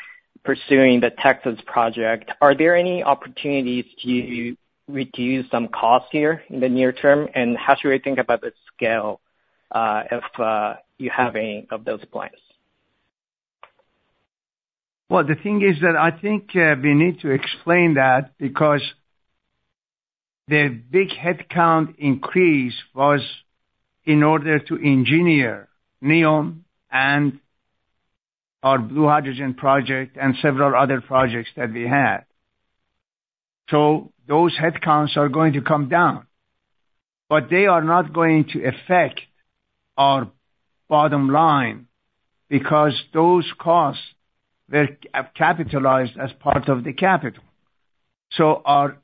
S9: pursuing the Texas project, are there any opportunities to reduce some costs here in the near term? And how should we think about the scale if you have any of those plans?
S3: The thing is that I think we need to explain that because the big headcount increase was in order to engineer NEOM and our blue hydrogen project and several other projects that we had. Those headcounts are going to come down, but they are not going to affect our bottom line because those costs were capitalized as part of the capital. Our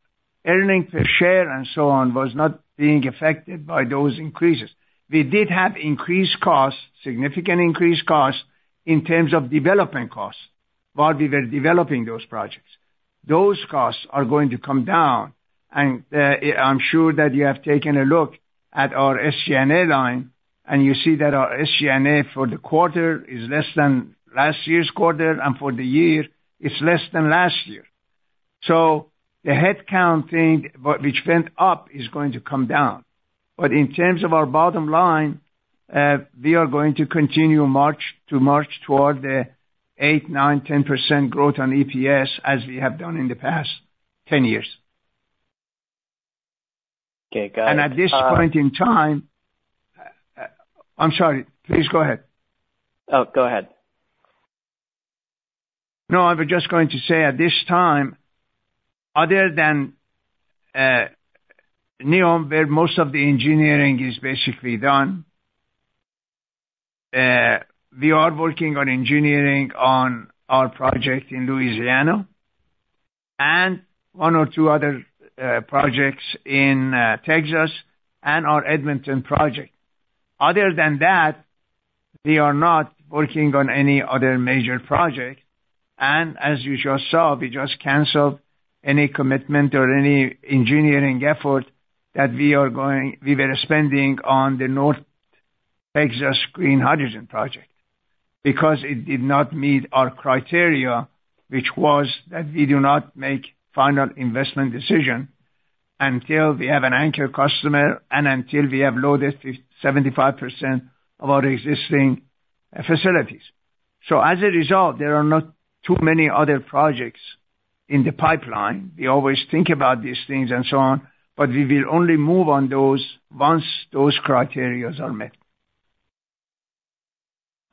S3: earnings per share and so on was not being affected by those increases. We did have increased costs, significant increased costs in terms of development costs while we were developing those projects. Those costs are going to come down. I'm sure that you have taken a look at our SG&A line, and you see that our SG&A for the quarter is less than last year's quarter, and for the year, it's less than last year. So the headcount thing, which went up, is going to come down. But in terms of our bottom line, we are going to continue to march toward the eight, nine, 10% growth on EPS as we have done in the past 10 years.
S9: Okay. Got it.
S3: And at this point in time, I'm sorry. Please go ahead.
S9: Oh, go ahead.
S3: No, I was just going to say at this time, other than NEOM, where most of the engineering is basically done, we are working on engineering on our project in Louisiana and one or two other projects in Texas and our Edmonton project. Other than that, we are not working on any other major project. And as you just saw, we just canceled any commitment or any engineering effort that we were spending on the North Texas green hydrogen project because it did not meet our criteria, which was that we do not make final investment decision until we have an anchor customer and until we have loaded 75% of our existing facilities. So as a result, there are not too many other projects in the pipeline. We always think about these things and so on, but we will only move on those once those criteria are met.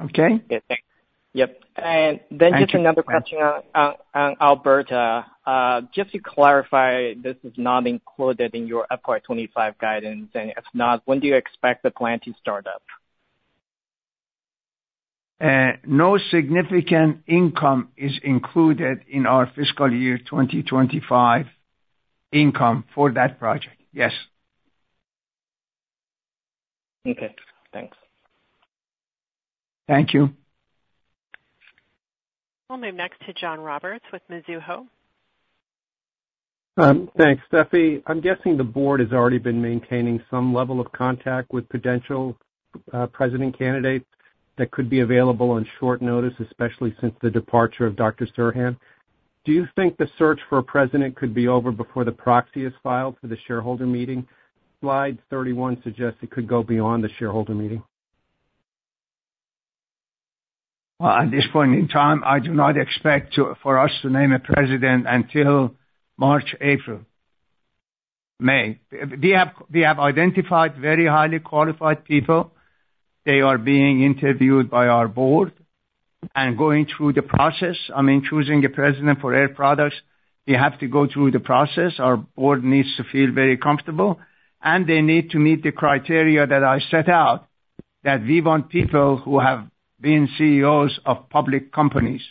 S3: Okay?
S9: Yeah. Thanks. Yep. And then just another question on Alberta. Just to clarify, this is not included in your FY2025 guidance. And if not, when do you expect the plant to start up?
S3: No significant income is included in our fiscal year 2025 income for that project. Yes.
S9: Okay. Thanks.
S3: Thank you.
S1: We'll move next to John Roberts with Mizuho.
S10: Thanks, Seifi. I'm guessing the board has already been maintaining some level of contact with potential president candidates that could be available on short notice, especially since the departure of Dr. Serhan. Do you think the search for a president could be over before the proxy is filed for the shareholder meeting? Slide 31 suggests it could go beyond the shareholder meeting.
S3: At this point in time, I do not expect for us to name a president until March, April, May. We have identified very highly qualified people. They are being interviewed by our board and going through the process. I mean, choosing a president for Air Products, we have to go through the process. Our board needs to feel very comfortable, and they need to meet the criteria that I set out, that we want people who have been CEOs of public companies.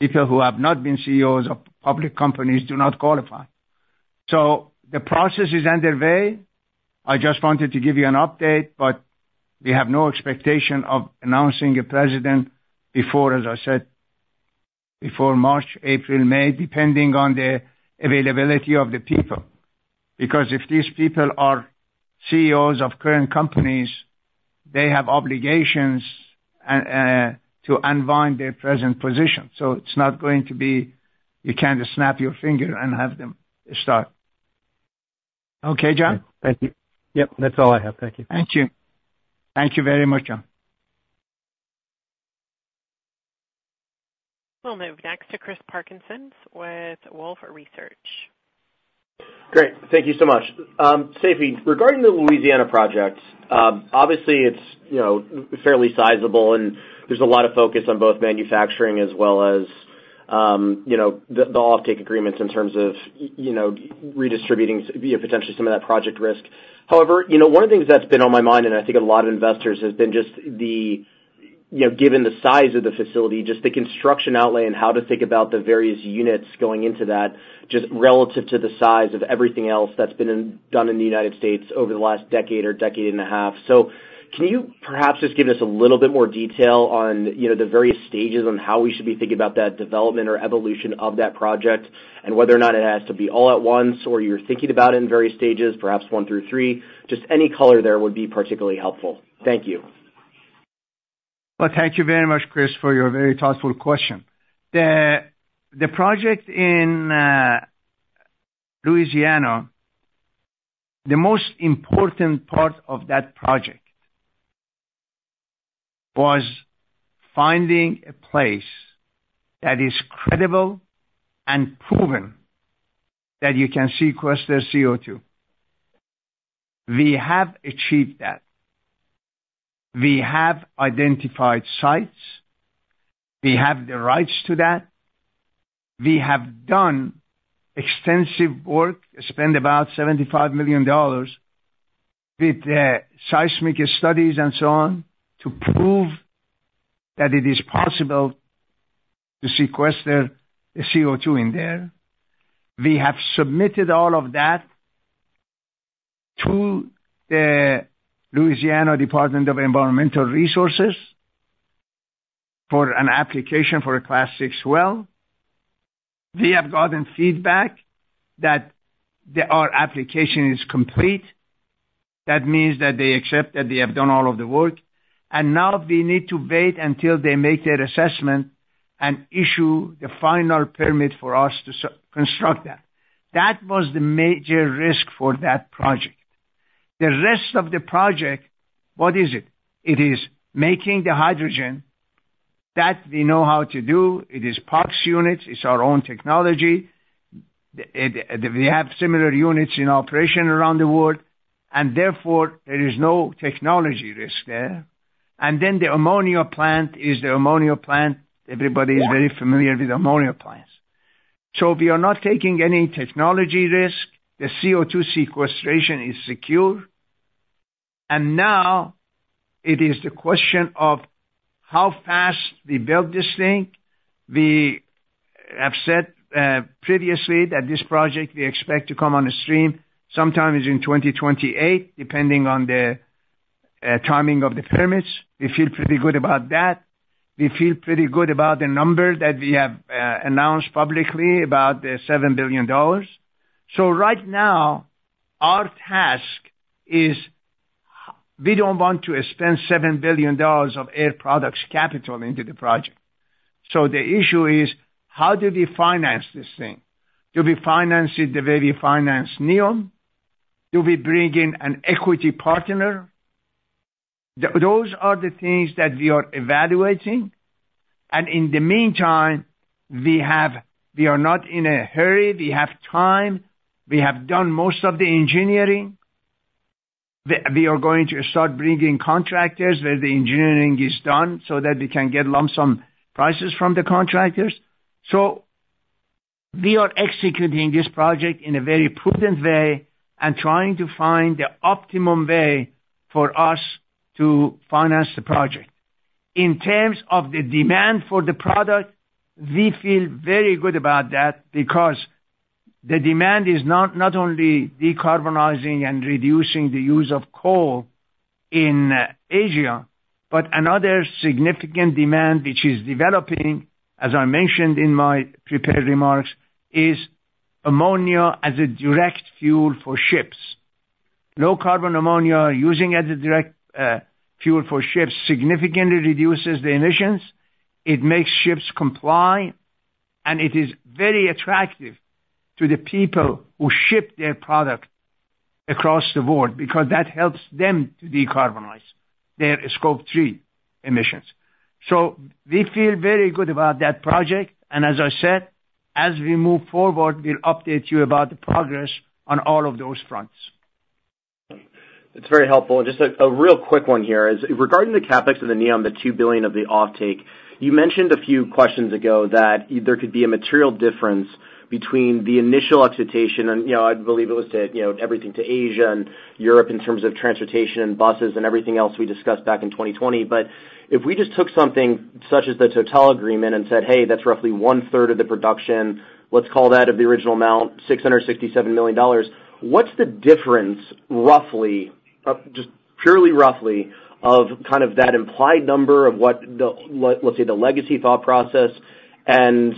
S3: People who have not been CEOs of public companies do not qualify, so the process is underway. I just wanted to give you an update, but we have no expectation of announcing a president before, as I said, before March, April, May, depending on the availability of the people. Because if these people are CEOs of current companies, they have obligations to unwind their present position. So it's not going to be you can just snap your finger and have them start. Okay, John?
S10: Thank you. Yep. That's all I have. Thank you.
S3: Thank you. Thank you very much, John.
S1: We'll move next to Chris Parkinson with Wolfe Research.
S11: Great. Thank you so much. Seifi, regarding the Louisiana project, obviously, it's fairly sizable, and there's a lot of focus on both manufacturing as well as the offtake agreements in terms of redistributing potentially some of that project risk. However, one of the things that's been on my mind, and I think a lot of investors has been just given the size of the facility, just the construction outlay and how to think about the various units going into that, just relative to the size of everything else that's been done in the United States over the last decade or decade and a half. So can you perhaps just give us a little bit more detail on the various stages on how we should be thinking about that development or evolution of that project and whether or not it has to be all at once or you're thinking about it in various stages, perhaps one through three? Just any color there would be particularly helpful. Thank you.
S3: Thank you very much, Chris, for your very thoughtful question. The project in Louisiana, the most important part of that project was finding a place that is credible and proven that you can sequester CO2. We have achieved that. We have identified sites. We have the rights to that. We have done extensive work, spent about $75 million with seismic studies and so on to prove that it is possible to sequester the CO2 in there. We have submitted all of that to the Louisiana Department of Environmental Resources for an application for a Class VI Well. We have gotten feedback that our application is complete. That means that they accept that they have done all of the work. And now we need to wait until they make their assessment and issue the final permit for us to construct that. That was the major risk for that project. The rest of the project, what is it? It is making the hydrogen that we know how to do. It is PARCS units. It's our own technology. We have similar units in operation around the world. And therefore, there is no technology risk there. And then the ammonia plant is the ammonia plant. Everybody is very familiar with ammonia plants. So we are not taking any technology risk. The CO2 sequestration is secure. And now it is the question of how fast we build this thing. We have said previously that this project we expect to come on the stream sometime in 2028, depending on the timing of the permits. We feel pretty good about that. We feel pretty good about the number that we have announced publicly about $7 billion. So right now, our task is we don't want to expend $7 billion of Air Products capital into the project. So the issue is, how do we finance this thing? Do we finance it the way we finance NEOM? Do we bring in an equity partner? Those are the things that we are evaluating. And in the meantime, we are not in a hurry. We have time. We have done most of the engineering. We are going to start bringing contractors where the engineering is done so that we can get lump sum prices from the contractors. So we are executing this project in a very prudent way and trying to find the optimum way for us to finance the project. In terms of the demand for the product, we feel very good about that because the demand is not only decarbonizing and reducing the use of coal in Asia, but another significant demand, which is developing, as I mentioned in my prepared remarks, is ammonia as a direct fuel for ships. Low carbon ammonia using as a direct fuel for ships significantly reduces the emissions. It makes ships comply. And it is very attractive to the people who ship their product across the board because that helps them to decarbonize their Scope 3 emissions. So we feel very good about that project. And as I said, as we move forward, we'll update you about the progress on all of those fronts.
S11: It's very helpful, and just a real quick one here is regarding the CapEx and the NEOM, the $2 billion of the offtake. You mentioned a few questions ago that there could be a material difference between the initial execution, and I believe it was to everything to Asia and Europe in terms of transportation and buses and everything else we discussed back in 2020, but if we just took something such as the Total agreement and said, "Hey, that's roughly one third of the production, let's call that of the original amount, $667 million," what's the difference, roughly, just purely roughly, of kind of that implied number of what, let's say, the legacy thought process and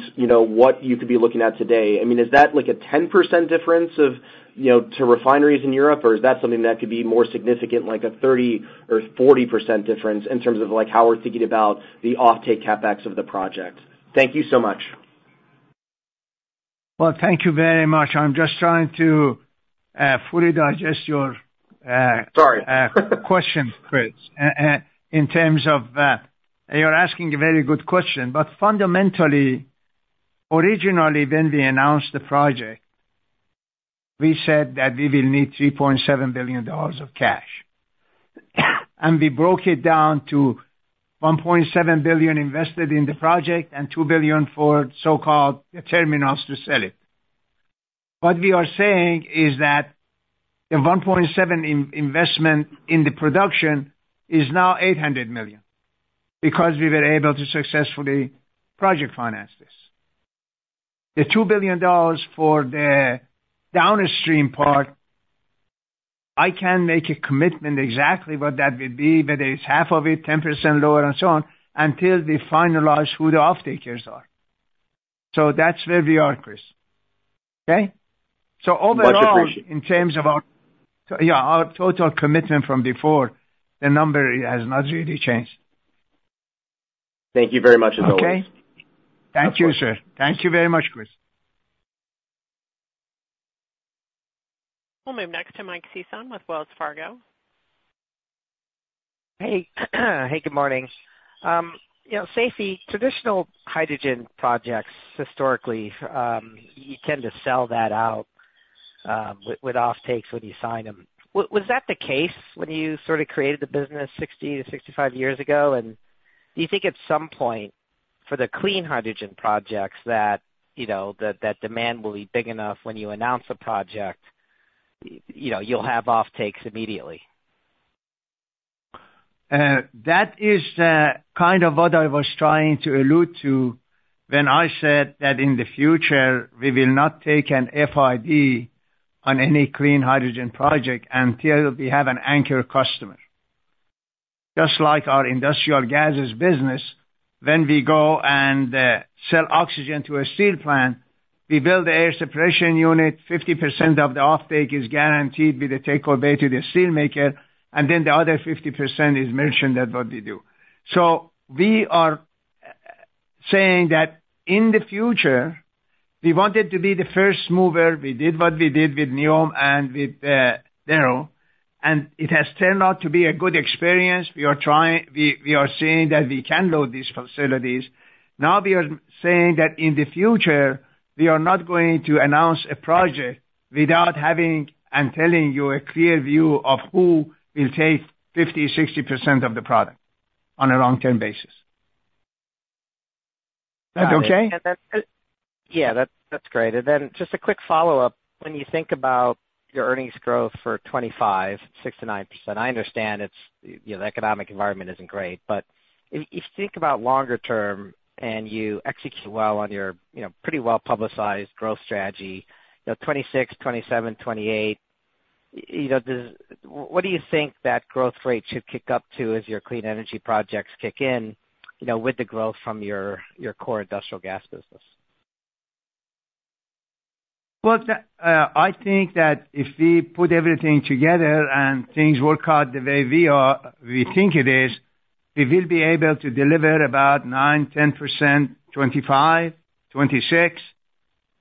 S11: what you could be looking at today? I mean, is that like a 10% difference to refineries in Europe, or is that something that could be more significant, like a 30% or 40% difference in terms of how we're thinking about the offtake CapEx of the project? Thank you so much.
S3: Thank you very much. I'm just trying to fully digest your.
S11: Sorry.
S3: Chris, in terms of you're asking a very good question. But fundamentally, originally, when we announced the project, we said that we will need $3.7 billion of cash. And we broke it down to $1.7 billion invested in the project and $2 billion for so-called terminals to sell it. What we are saying is that the $1.7 billion investment in the production is now $800 million because we were able to successfully project finance this. The $2 billion for the downstream part, I can make a commitment exactly what that would be, whether it's half of it, 10% lower, and so on, until we finalize who the offtakers are. So that's where we are, Chris. Okay? So overall.
S11: Much appreciated.
S3: In terms of our total commitment from before, the number has not really changed.
S11: Thank you very much as always.
S3: Okay? Thank you, sir. Thank you very much, Chris.
S1: We'll move next to Mike Sison with Wells Fargo.
S12: Hey. Hey, good morning. Seifi, traditional hydrogen projects, historically, you tend to sell that out with offtakes when you sign them. Was that the case when you sort of created the business 60-65 years ago? And do you think at some point for the clean hydrogen projects that that demand will be big enough when you announce a project, you'll have offtakes immediately?
S3: That is kind of what I was trying to allude to when I said that in the future, we will not take an FID on any clean hydrogen project until we have an anchor customer. Just like our industrial gases business, when we go and sell oxygen to a steel plant, we build the air separation unit, 50% of the offtake is guaranteed with the take-or-pay to the steelmaker, and then the other 50% is merchant at what we do, so we are saying that in the future, we wanted to be the first mover. We did what we did with NEOM and with Darrow, and it has turned out to be a good experience. We are saying that we can load these facilities. Now we are saying that in the future, we are not going to announce a project without having and telling you a clear view of who will take 50%-60% of the product on a long-term basis. Is that okay?
S12: Yeah. That's great. And then just a quick follow-up. When you think about your earnings growth for 2025, six to nine percent, I understand the economic environment isn't great. But if you think about longer term and you execute well on your pretty well-publicized growth strategy, 2026, 2027, 2028, what do you think that growth rate should kick up to as your clean energy projects kick in with the growth from your core industrial gas business?
S3: I think that if we put everything together and things work out the way we think it is, we will be able to deliver about nine to 10% 2025, 2026.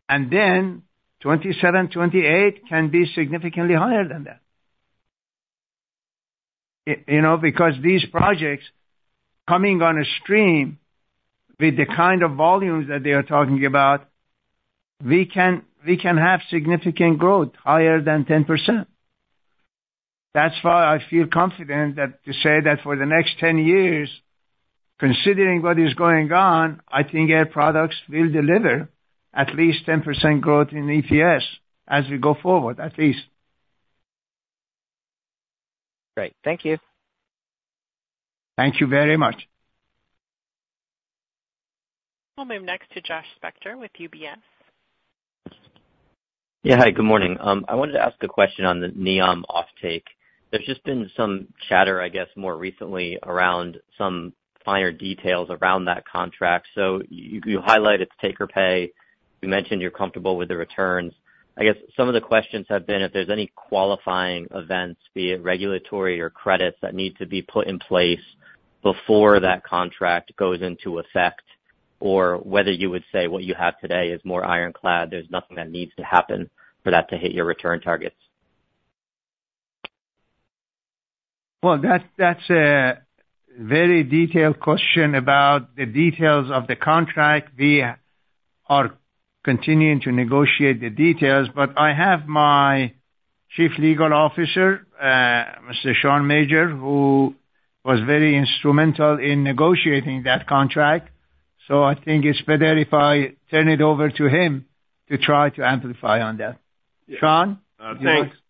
S3: Then 2027, 2028 can be significantly higher than that. Because these projects coming on stream with the kind of volumes that they are talking about, we can have significant growth higher than 10%. That's why I feel confident to say that for the next 10 years, considering what is going on, I think Air Products will deliver at least 10% growth in EPS as we go forward, at least.
S12: Great. Thank you.
S3: Thank you very much.
S1: We'll move next to Josh Spector with UBS.
S13: Yeah. Hi. Good morning. I wanted to ask a question on the NEOM offtake. There's just been some chatter, I guess, more recently around some finer details around that contract. So you highlight its take or pay. You mentioned you're comfortable with the returns. I guess some of the questions have been if there's any qualifying events, be it regulatory or credits, that need to be put in place before that contract goes into effect, or whether you would say what you have today is more ironclad. There's nothing that needs to happen for that to hit your return targets.
S3: That's a very detailed question about the details of the contract. We are continuing to negotiate the details. But I have my Chief Legal Officer, Mr. Sean Major, who was very instrumental in negotiating that contract. So I think it's better if I turn it over to him to try to amplify on that. Sean?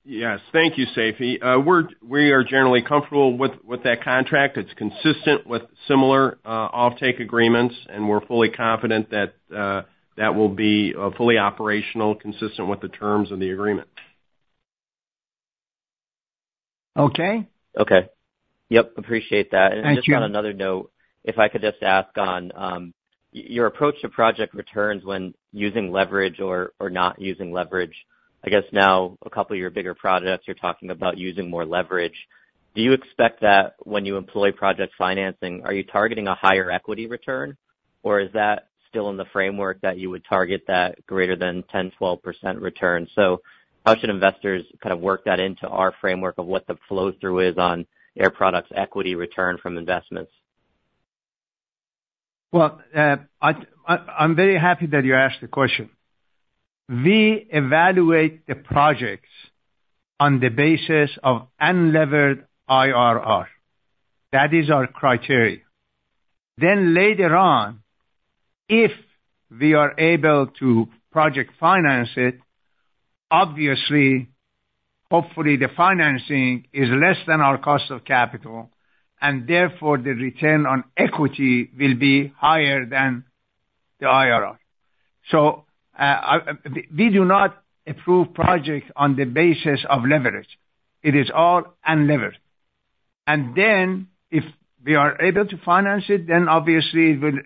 S14: Yes. Thank you, Seifi. We are generally comfortable with that contract. It's consistent with similar offtake agreements, and we're fully confident that that will be fully operational, consistent with the terms of the agreement.
S3: Okay.
S13: Okay. Yep. Appreciate that. And just on another note, if I could just ask on your approach to project returns when using leverage or not using leverage. I guess now a couple of your bigger projects, you're talking about using more leverage. Do you expect that when you employ project financing, are you targeting a higher equity return, or is that still in the framework that you would target that greater than 10%-12% return? So how should investors kind of work that into our framework of what the flow-through is on Air Products' equity return from investments?
S3: I'm very happy that you asked the question. We evaluate the projects on the basis of unlevered IRR. That is our criteria. Later on, if we are able to project finance it, obviously, hopefully, the financing is less than our cost of capital, and therefore, the return on equity will be higher than the IRR. We do not approve projects on the basis of leverage. It is all unlevered. If we are able to finance it, then obviously, it will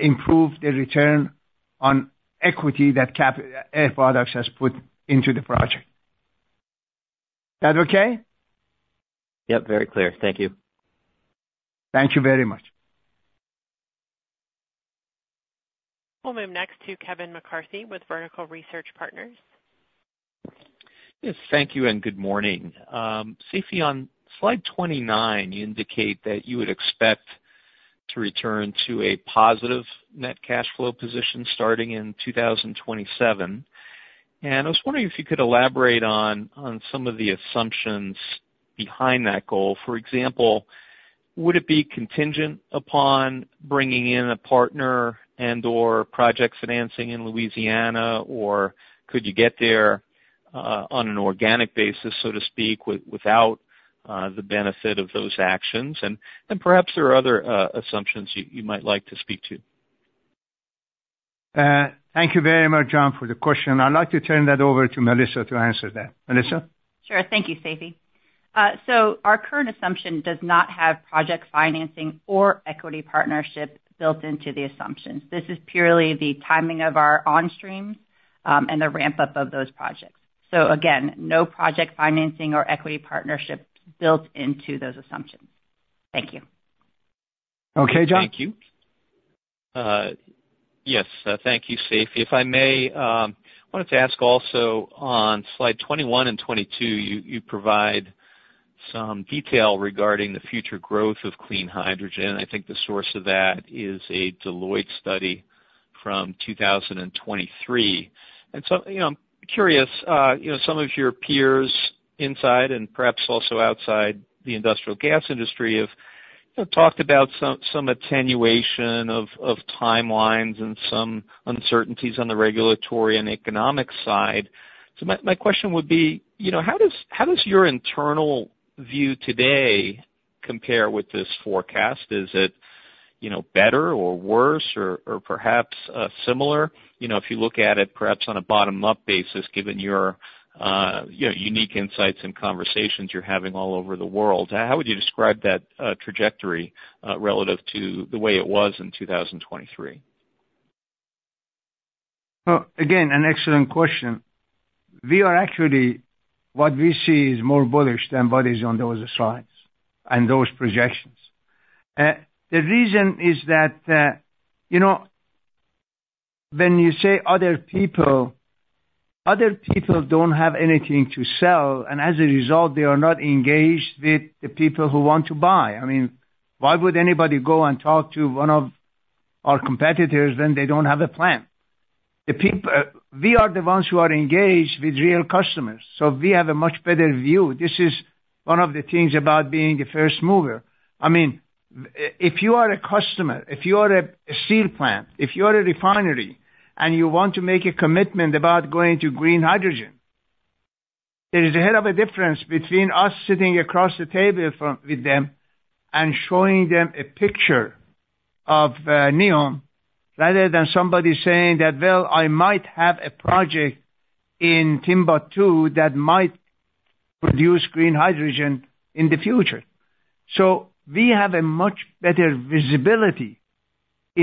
S3: improve the return on equity that Air Products has put into the project. Is that okay?
S13: Yep. Very clear. Thank you.
S3: Thank you very much.
S1: We'll move next to Kevin McCarthy with Vertical Research Partners.
S15: Yes. Thank you and good morning. Seifi, on slide 29, you indicate that you would expect to return to a positive net cash flow position starting in 2027. And I was wondering if you could elaborate on some of the assumptions behind that goal. For example, would it be contingent upon bringing in a partner and/or project financing in Louisiana, or could you get there on an organic basis, so to speak, without the benefit of those actions? And perhaps there are other assumptions you might like to speak to.
S3: Thank you very much, John, for the question. I'd like to turn that over to Melissa to answer that. Melissa?
S4: Sure. Thank you, Seifi. So our current assumption does not have project financing or equity partnership built into the assumptions. This is purely the timing of our onstream and the ramp-up of those projects. So again, no project financing or equity partnership built into those assumptions. Thank you.
S3: Okay, John.
S15: Thank you. Yes. Thank you, Seifi. If I may, I wanted to ask also on slide 21 and 22, you provide some detail regarding the future growth of clean hydrogen. I think the source of that is a Deloitte study from 2023. And so I'm curious, some of your peers inside and perhaps also outside the industrial gas industry have talked about some attenuation of timelines and some uncertainties on the regulatory and economic side. So my question would be, how does your internal view today compare with this forecast? Is it better or worse or perhaps similar if you look at it perhaps on a bottom-up basis, given your unique insights and conversations you're having all over the world? How would you describe that trajectory relative to the way it was in 2023?
S3: Again, an excellent question. We are actually what we see is more bullish than what is on those slides and those projections. The reason is that when you say other people, other people don't have anything to sell, and as a result, they are not engaged with the people who want to buy. I mean, why would anybody go and talk to one of our competitors when they don't have a plan? We are the ones who are engaged with real customers. So we have a much better view. This is one of the things about being a first mover. I mean, if you are a customer, if you are a steel plant, if you are a refinery, and you want to make a commitment about going to green hydrogen, there is a hell of a difference between us sitting across the table with them and showing them a picture of NEOM rather than somebody saying that, "Well, I might have a project in Timbuktu that might produce green hydrogen in the future." So we have a much better visibility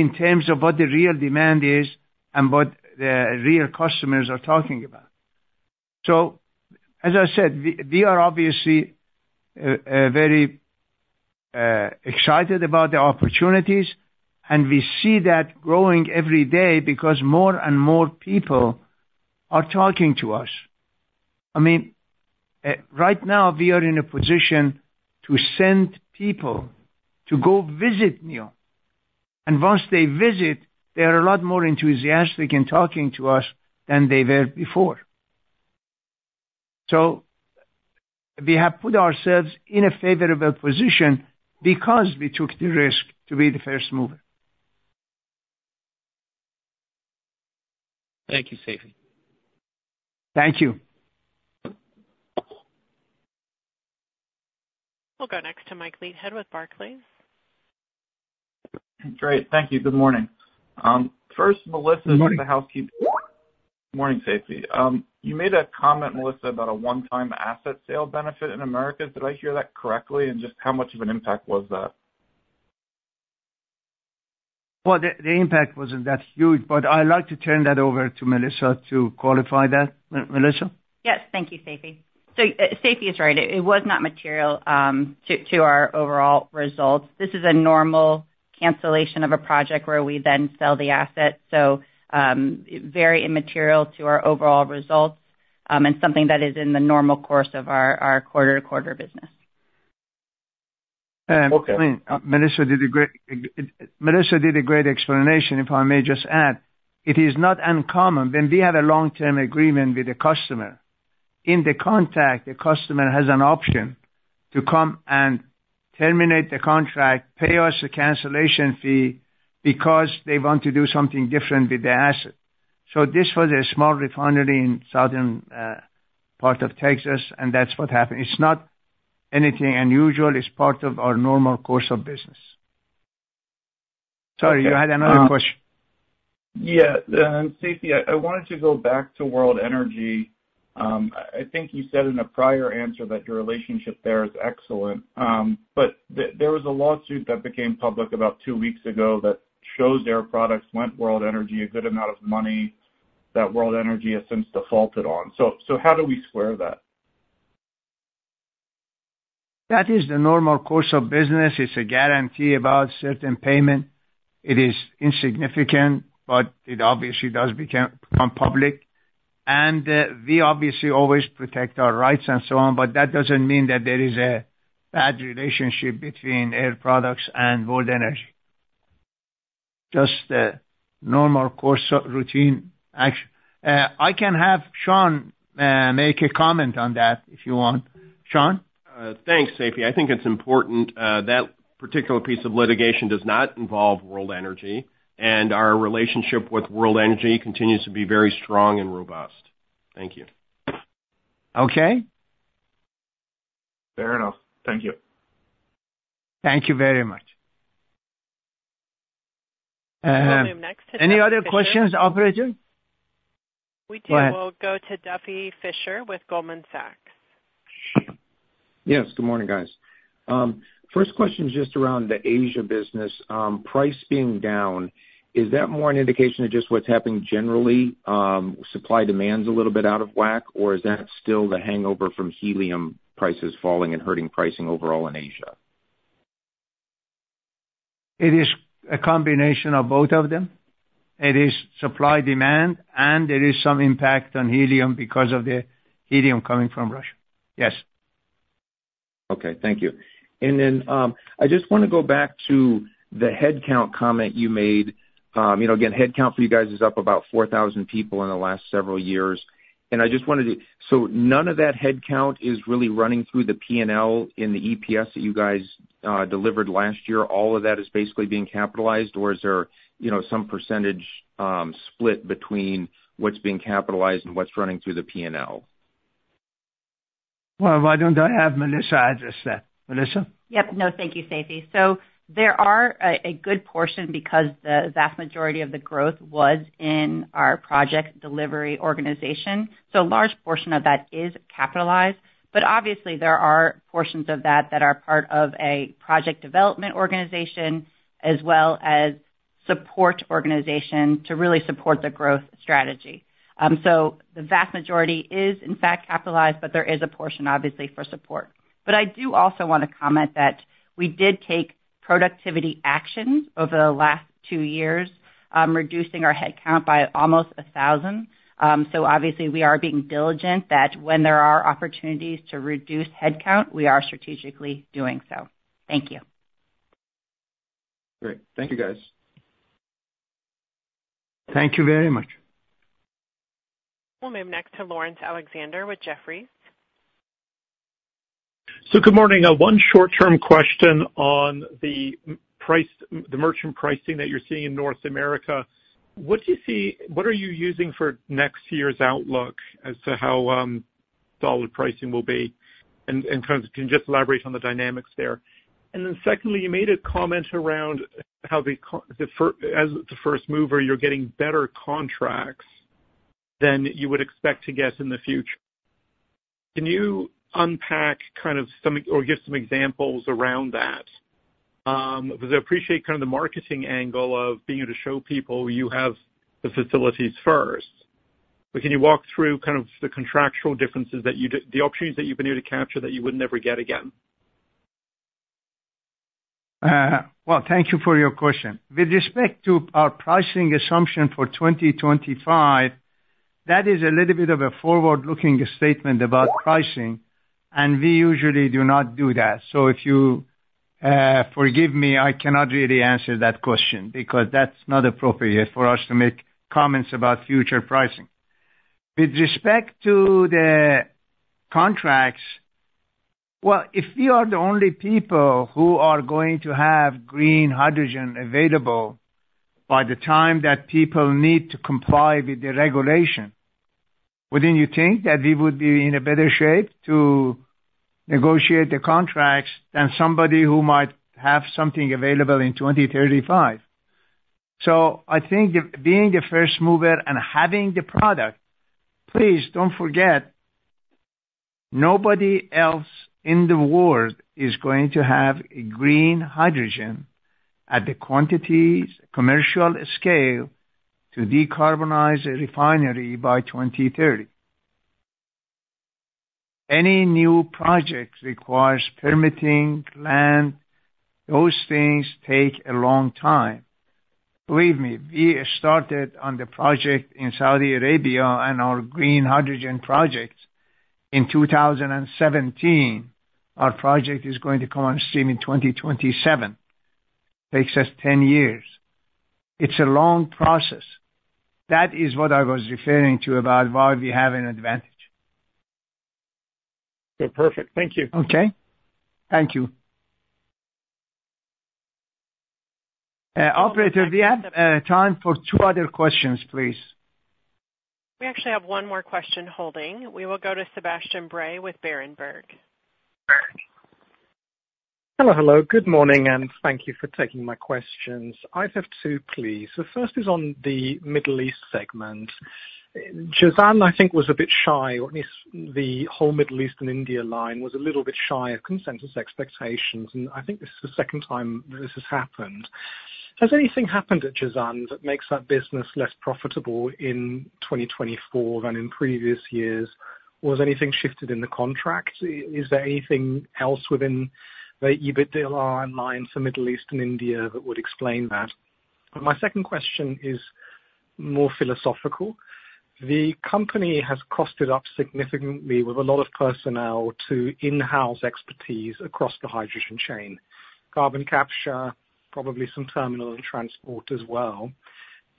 S3: in terms of what the real demand is and what the real customers are talking about. So as I said, we are obviously very excited about the opportunities, and we see that growing every day because more and more people are talking to us. I mean, right now, we are in a position to send people to go visit NEOM. Once they visit, they are a lot more enthusiastic in talking to us than they were before. We have put ourselves in a favorable position because we took the risk to be the first mover.
S15: Thank you, Seifi.
S3: Thank you.
S1: We'll go next to Mike Leithead with Barclays.
S16: Great. Thank you. Good morning. First, Melissa. [crosstalk] Good morning, Seifi. You made a comment, Melissa, about a one-time asset sale benefit in Americas. Did I hear that correctly? And just how much of an impact was that?
S3: The impact wasn't that huge, but I'd like to turn that over to Melissa to qualify that. Melissa?
S4: Yes. Thank you, Seifi. So Seifi is right. It was not material to our overall results. This is a normal cancellation of a project where we then sell the asset. So very immaterial to our overall results and something that is in the normal course of our quarter-to-quarter business.
S3: Melissa did a great explanation, if I may just add. It is not uncommon, when we have a long-term agreement with a customer. In the contract, the customer has an option to come and terminate the contract, pay us a cancellation fee because they want to do something different with the asset. So this was a small refinery in southern part of Texas, and that's what happened. It's not anything unusual. It's part of our normal course of business. Sorry, you had another question.
S16: Yeah. Seifi, I wanted to go back to World Energy. I think you said in a prior answer that your relationship there is excellent. But there was a lawsuit that became public about two weeks ago that shows Air Products lent World Energy a good amount of money that World Energy has since defaulted on. So how do we square that?
S3: That is the normal course of business. It's a guarantee about certain payment. It is insignificant, but it obviously does become public. And we obviously always protect our rights and so on, but that doesn't mean that there is a bad relationship between Air Products and World Energy. Just normal course of routine. I can have Sean make a comment on that if you want. Sean?
S14: Thanks, Seifi. I think it's important. That particular piece of litigation does not involve World Energy, and our relationship with World Energy continues to be very strong and robust. Thank you.
S3: Okay.
S16: Fair enough. Thank you.
S3: Thank you very much.
S1: We'll move next to Duffy.
S3: Any other questions, operator?
S1: We will go to Duffy Fischer with Goldman Sachs.
S17: Yes. Good morning, guys. First question just around the Asia business. Price being down, is that more an indication of just what's happening generally? Supply demand's a little bit out of whack, or is that still the hangover from helium prices falling and hurting pricing overall in Asia?
S3: It is a combination of both of them. It is supply demand, and there is some impact on helium because of the helium coming from Russia. Yes.
S17: Okay. Thank you. And then I just want to go back to the headcount comment you made. Again, headcount for you guys is up about 4,000 people in the last several years. And I just wanted to, so none of that headcount is really running through the P&L in the EPS that you guys delivered last year? All of that is basically being capitalized, or is there some percentage split between what's being capitalized and what's running through the P&L?
S3: Why don't I have Melissa address that? Melissa?
S4: Yep. No, thank you, Seifi. So there are a good portion because the vast majority of the growth was in our project delivery organization. So a large portion of that is capitalized. But obviously, there are portions of that that are part of a project development organization as well as support organization to really support the growth strategy. So the vast majority is, in fact, capitalized, but there is a portion, obviously, for support. But I do also want to comment that we did take productivity actions over the last two years, reducing our headcount by almost 1,000. So obviously, we are being diligent that when there are opportunities to reduce headcount, we are strategically doing so. Thank you.
S17: Great. Thank you, guys.
S3: Thank you very much.
S1: We'll move next to Laurence Alexander with Jefferies.
S18: Good morning. One short-term question on the merchant pricing that you're seeing in North America. What are you using for next year's outlook as to how solid pricing will be? And kind of can you just elaborate on the dynamics there? And then secondly, you made a comment around how as the first mover, you're getting better contracts than you would expect to get in the future. Can you unpack kind of some or give some examples around that? Because I appreciate kind of the marketing angle of being able to show people you have the facilities first. But can you walk through kind of the contractual differences that you-the opportunities that you've been able to capture that you would never get again?
S3: Thank you for your question. With respect to our pricing assumption for 2025, that is a little bit of a forward-looking statement about pricing, and we usually do not do that. If you forgive me, I cannot really answer that question because that's not appropriate for us to make comments about future pricing. With respect to the contracts, well, if we are the only people who are going to have green hydrogen available by the time that people need to comply with the regulation, wouldn't you think that we would be in a better shape to negotiate the contracts than somebody who might have something available in 2035? I think being the first mover and having the product, please don't forget, nobody else in the world is going to have green hydrogen at the quantities, commercial scale to decarbonize a refinery by 2030. Any new project requires permitting, land. Those things take a long time. Believe me, we started on the project in Saudi Arabia and our green hydrogen projects in 2017. Our project is going to come on stream in 2027. Takes us 10 years. It's a long process. That is what I was referring to about why we have an advantage.
S18: So perfect. Thank you.
S3: Okay. Thank you. Operator, we have time for two other questions, please.
S1: We actually have one more question holding. We will go to Sebastian Bray with Berenberg.
S19: Hello. Hello. Good morning, and thank you for taking my questions. I have two, please. The first is on the Middle East segment. Jazan, I think, was a bit shy, or at least the whole Middle East and India line was a little bit shy of consensus expectations. And I think this is the second time that this has happened. Has anything happened at Jazan that makes that business less profitable in 2024 than in previous years? Was anything shifted in the contract? Is there anything else within the EBITDA line for Middle East and India that would explain that? And my second question is more philosophical. The company has staffed up significantly with a lot of personnel to in-house expertise across the hydrogen chain, carbon capture, probably some terminal and transport as well.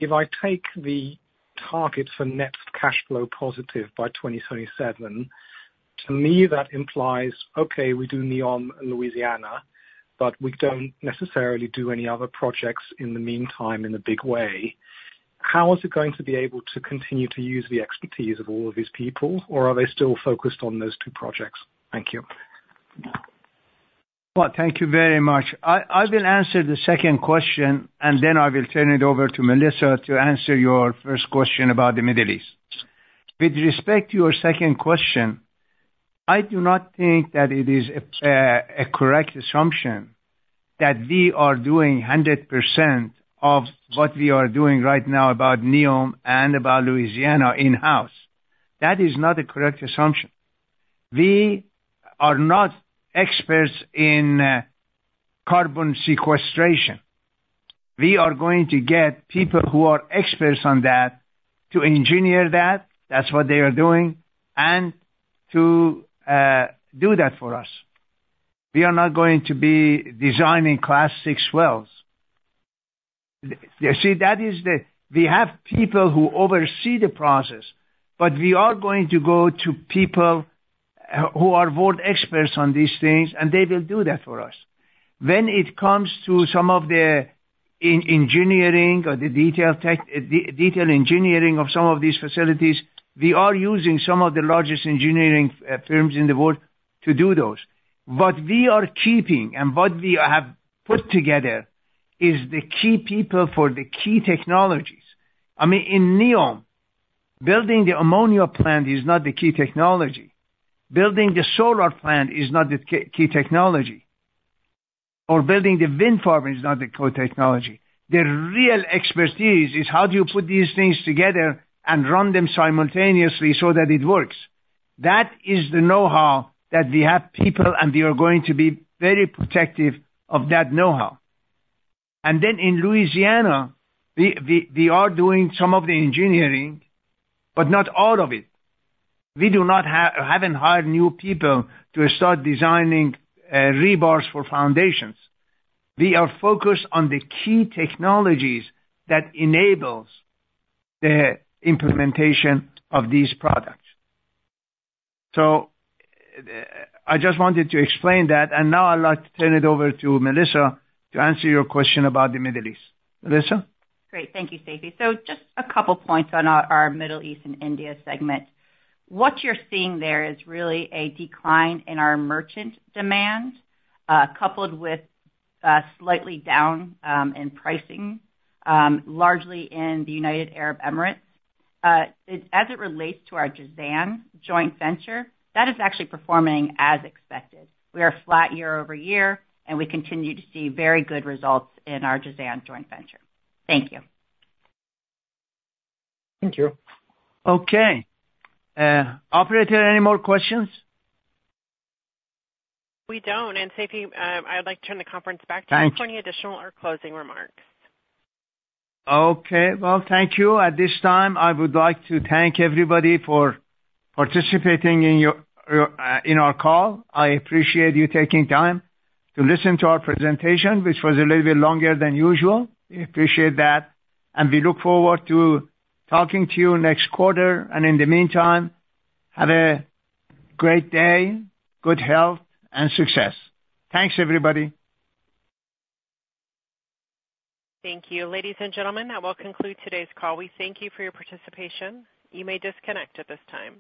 S19: If I take the target for net cash flow positive by 2027, to me, that implies, okay, we do NEOM in Louisiana, but we don't necessarily do any other projects in the meantime in a big way. How is it going to be able to continue to use the expertise of all of these people, or are they still focused on those two projects? Thank you.
S3: Thank you very much. I will answer the second question, and then I will turn it over to Melissa to answer your first question about the Middle East. With respect to your second question, I do not think that it is a correct assumption that we are doing 100% of what we are doing right now about NEOM and about Louisiana in-house. That is not a correct assumption. We are not experts in carbon sequestration. We are going to get people who are experts on that to engineer that. That's what they are doing, and to do that for us. We are not going to be designing Class VI wells. You see, that is the. We have people who oversee the process, but we are going to go to people who are world experts on these things, and they will do that for us. When it comes to some of the engineering or the detailed engineering of some of these facilities, we are using some of the largest engineering firms in the world to do those. What we are keeping and what we have put together is the key people for the key technologies. I mean, in NEOM, building the ammonia plant is not the key technology. Building the solar plant is not the key technology, or building the wind farm is not the core technology. The real expertise is how do you put these things together and run them simultaneously so that it works. That is the know-how that we have people, and we are going to be very protective of that know-how, and then in Louisiana, we are doing some of the engineering, but not all of it. We haven't hired new people to start designing rebars for foundations. We are focused on the key technologies that enable the implementation of these products. So I just wanted to explain that, and now I'd like to turn it over to Melissa to answer your question about the Middle East. Melissa?
S4: Great. Thank you, Seifi. So just a couple of points on our Middle East and India segment. What you're seeing there is really a decline in our merchant demand, coupled with slightly down in pricing, largely in the United Arab Emirates. As it relates to our Jazan joint venture, that is actually performing as expected. We are flat year-over-year, and we continue to see very good results in our Jazan joint venture. Thank you.
S19: Thank you.
S3: Okay. Operator, any more questions?
S1: We don't. And Seifi, I'd like to turn the conference back to you for any additional or closing remarks.
S3: Okay. Well, thank you. At this time, I would like to thank everybody for participating in our call. I appreciate you taking time to listen to our presentation, which was a little bit longer than usual. We appreciate that. And we look forward to talking to you next quarter. And in the meantime, have a great day, good health, and success. Thanks, everybody.
S1: Thank you. Ladies and gentlemen, that will conclude today's call. We thank you for your participation. You may disconnect at this time.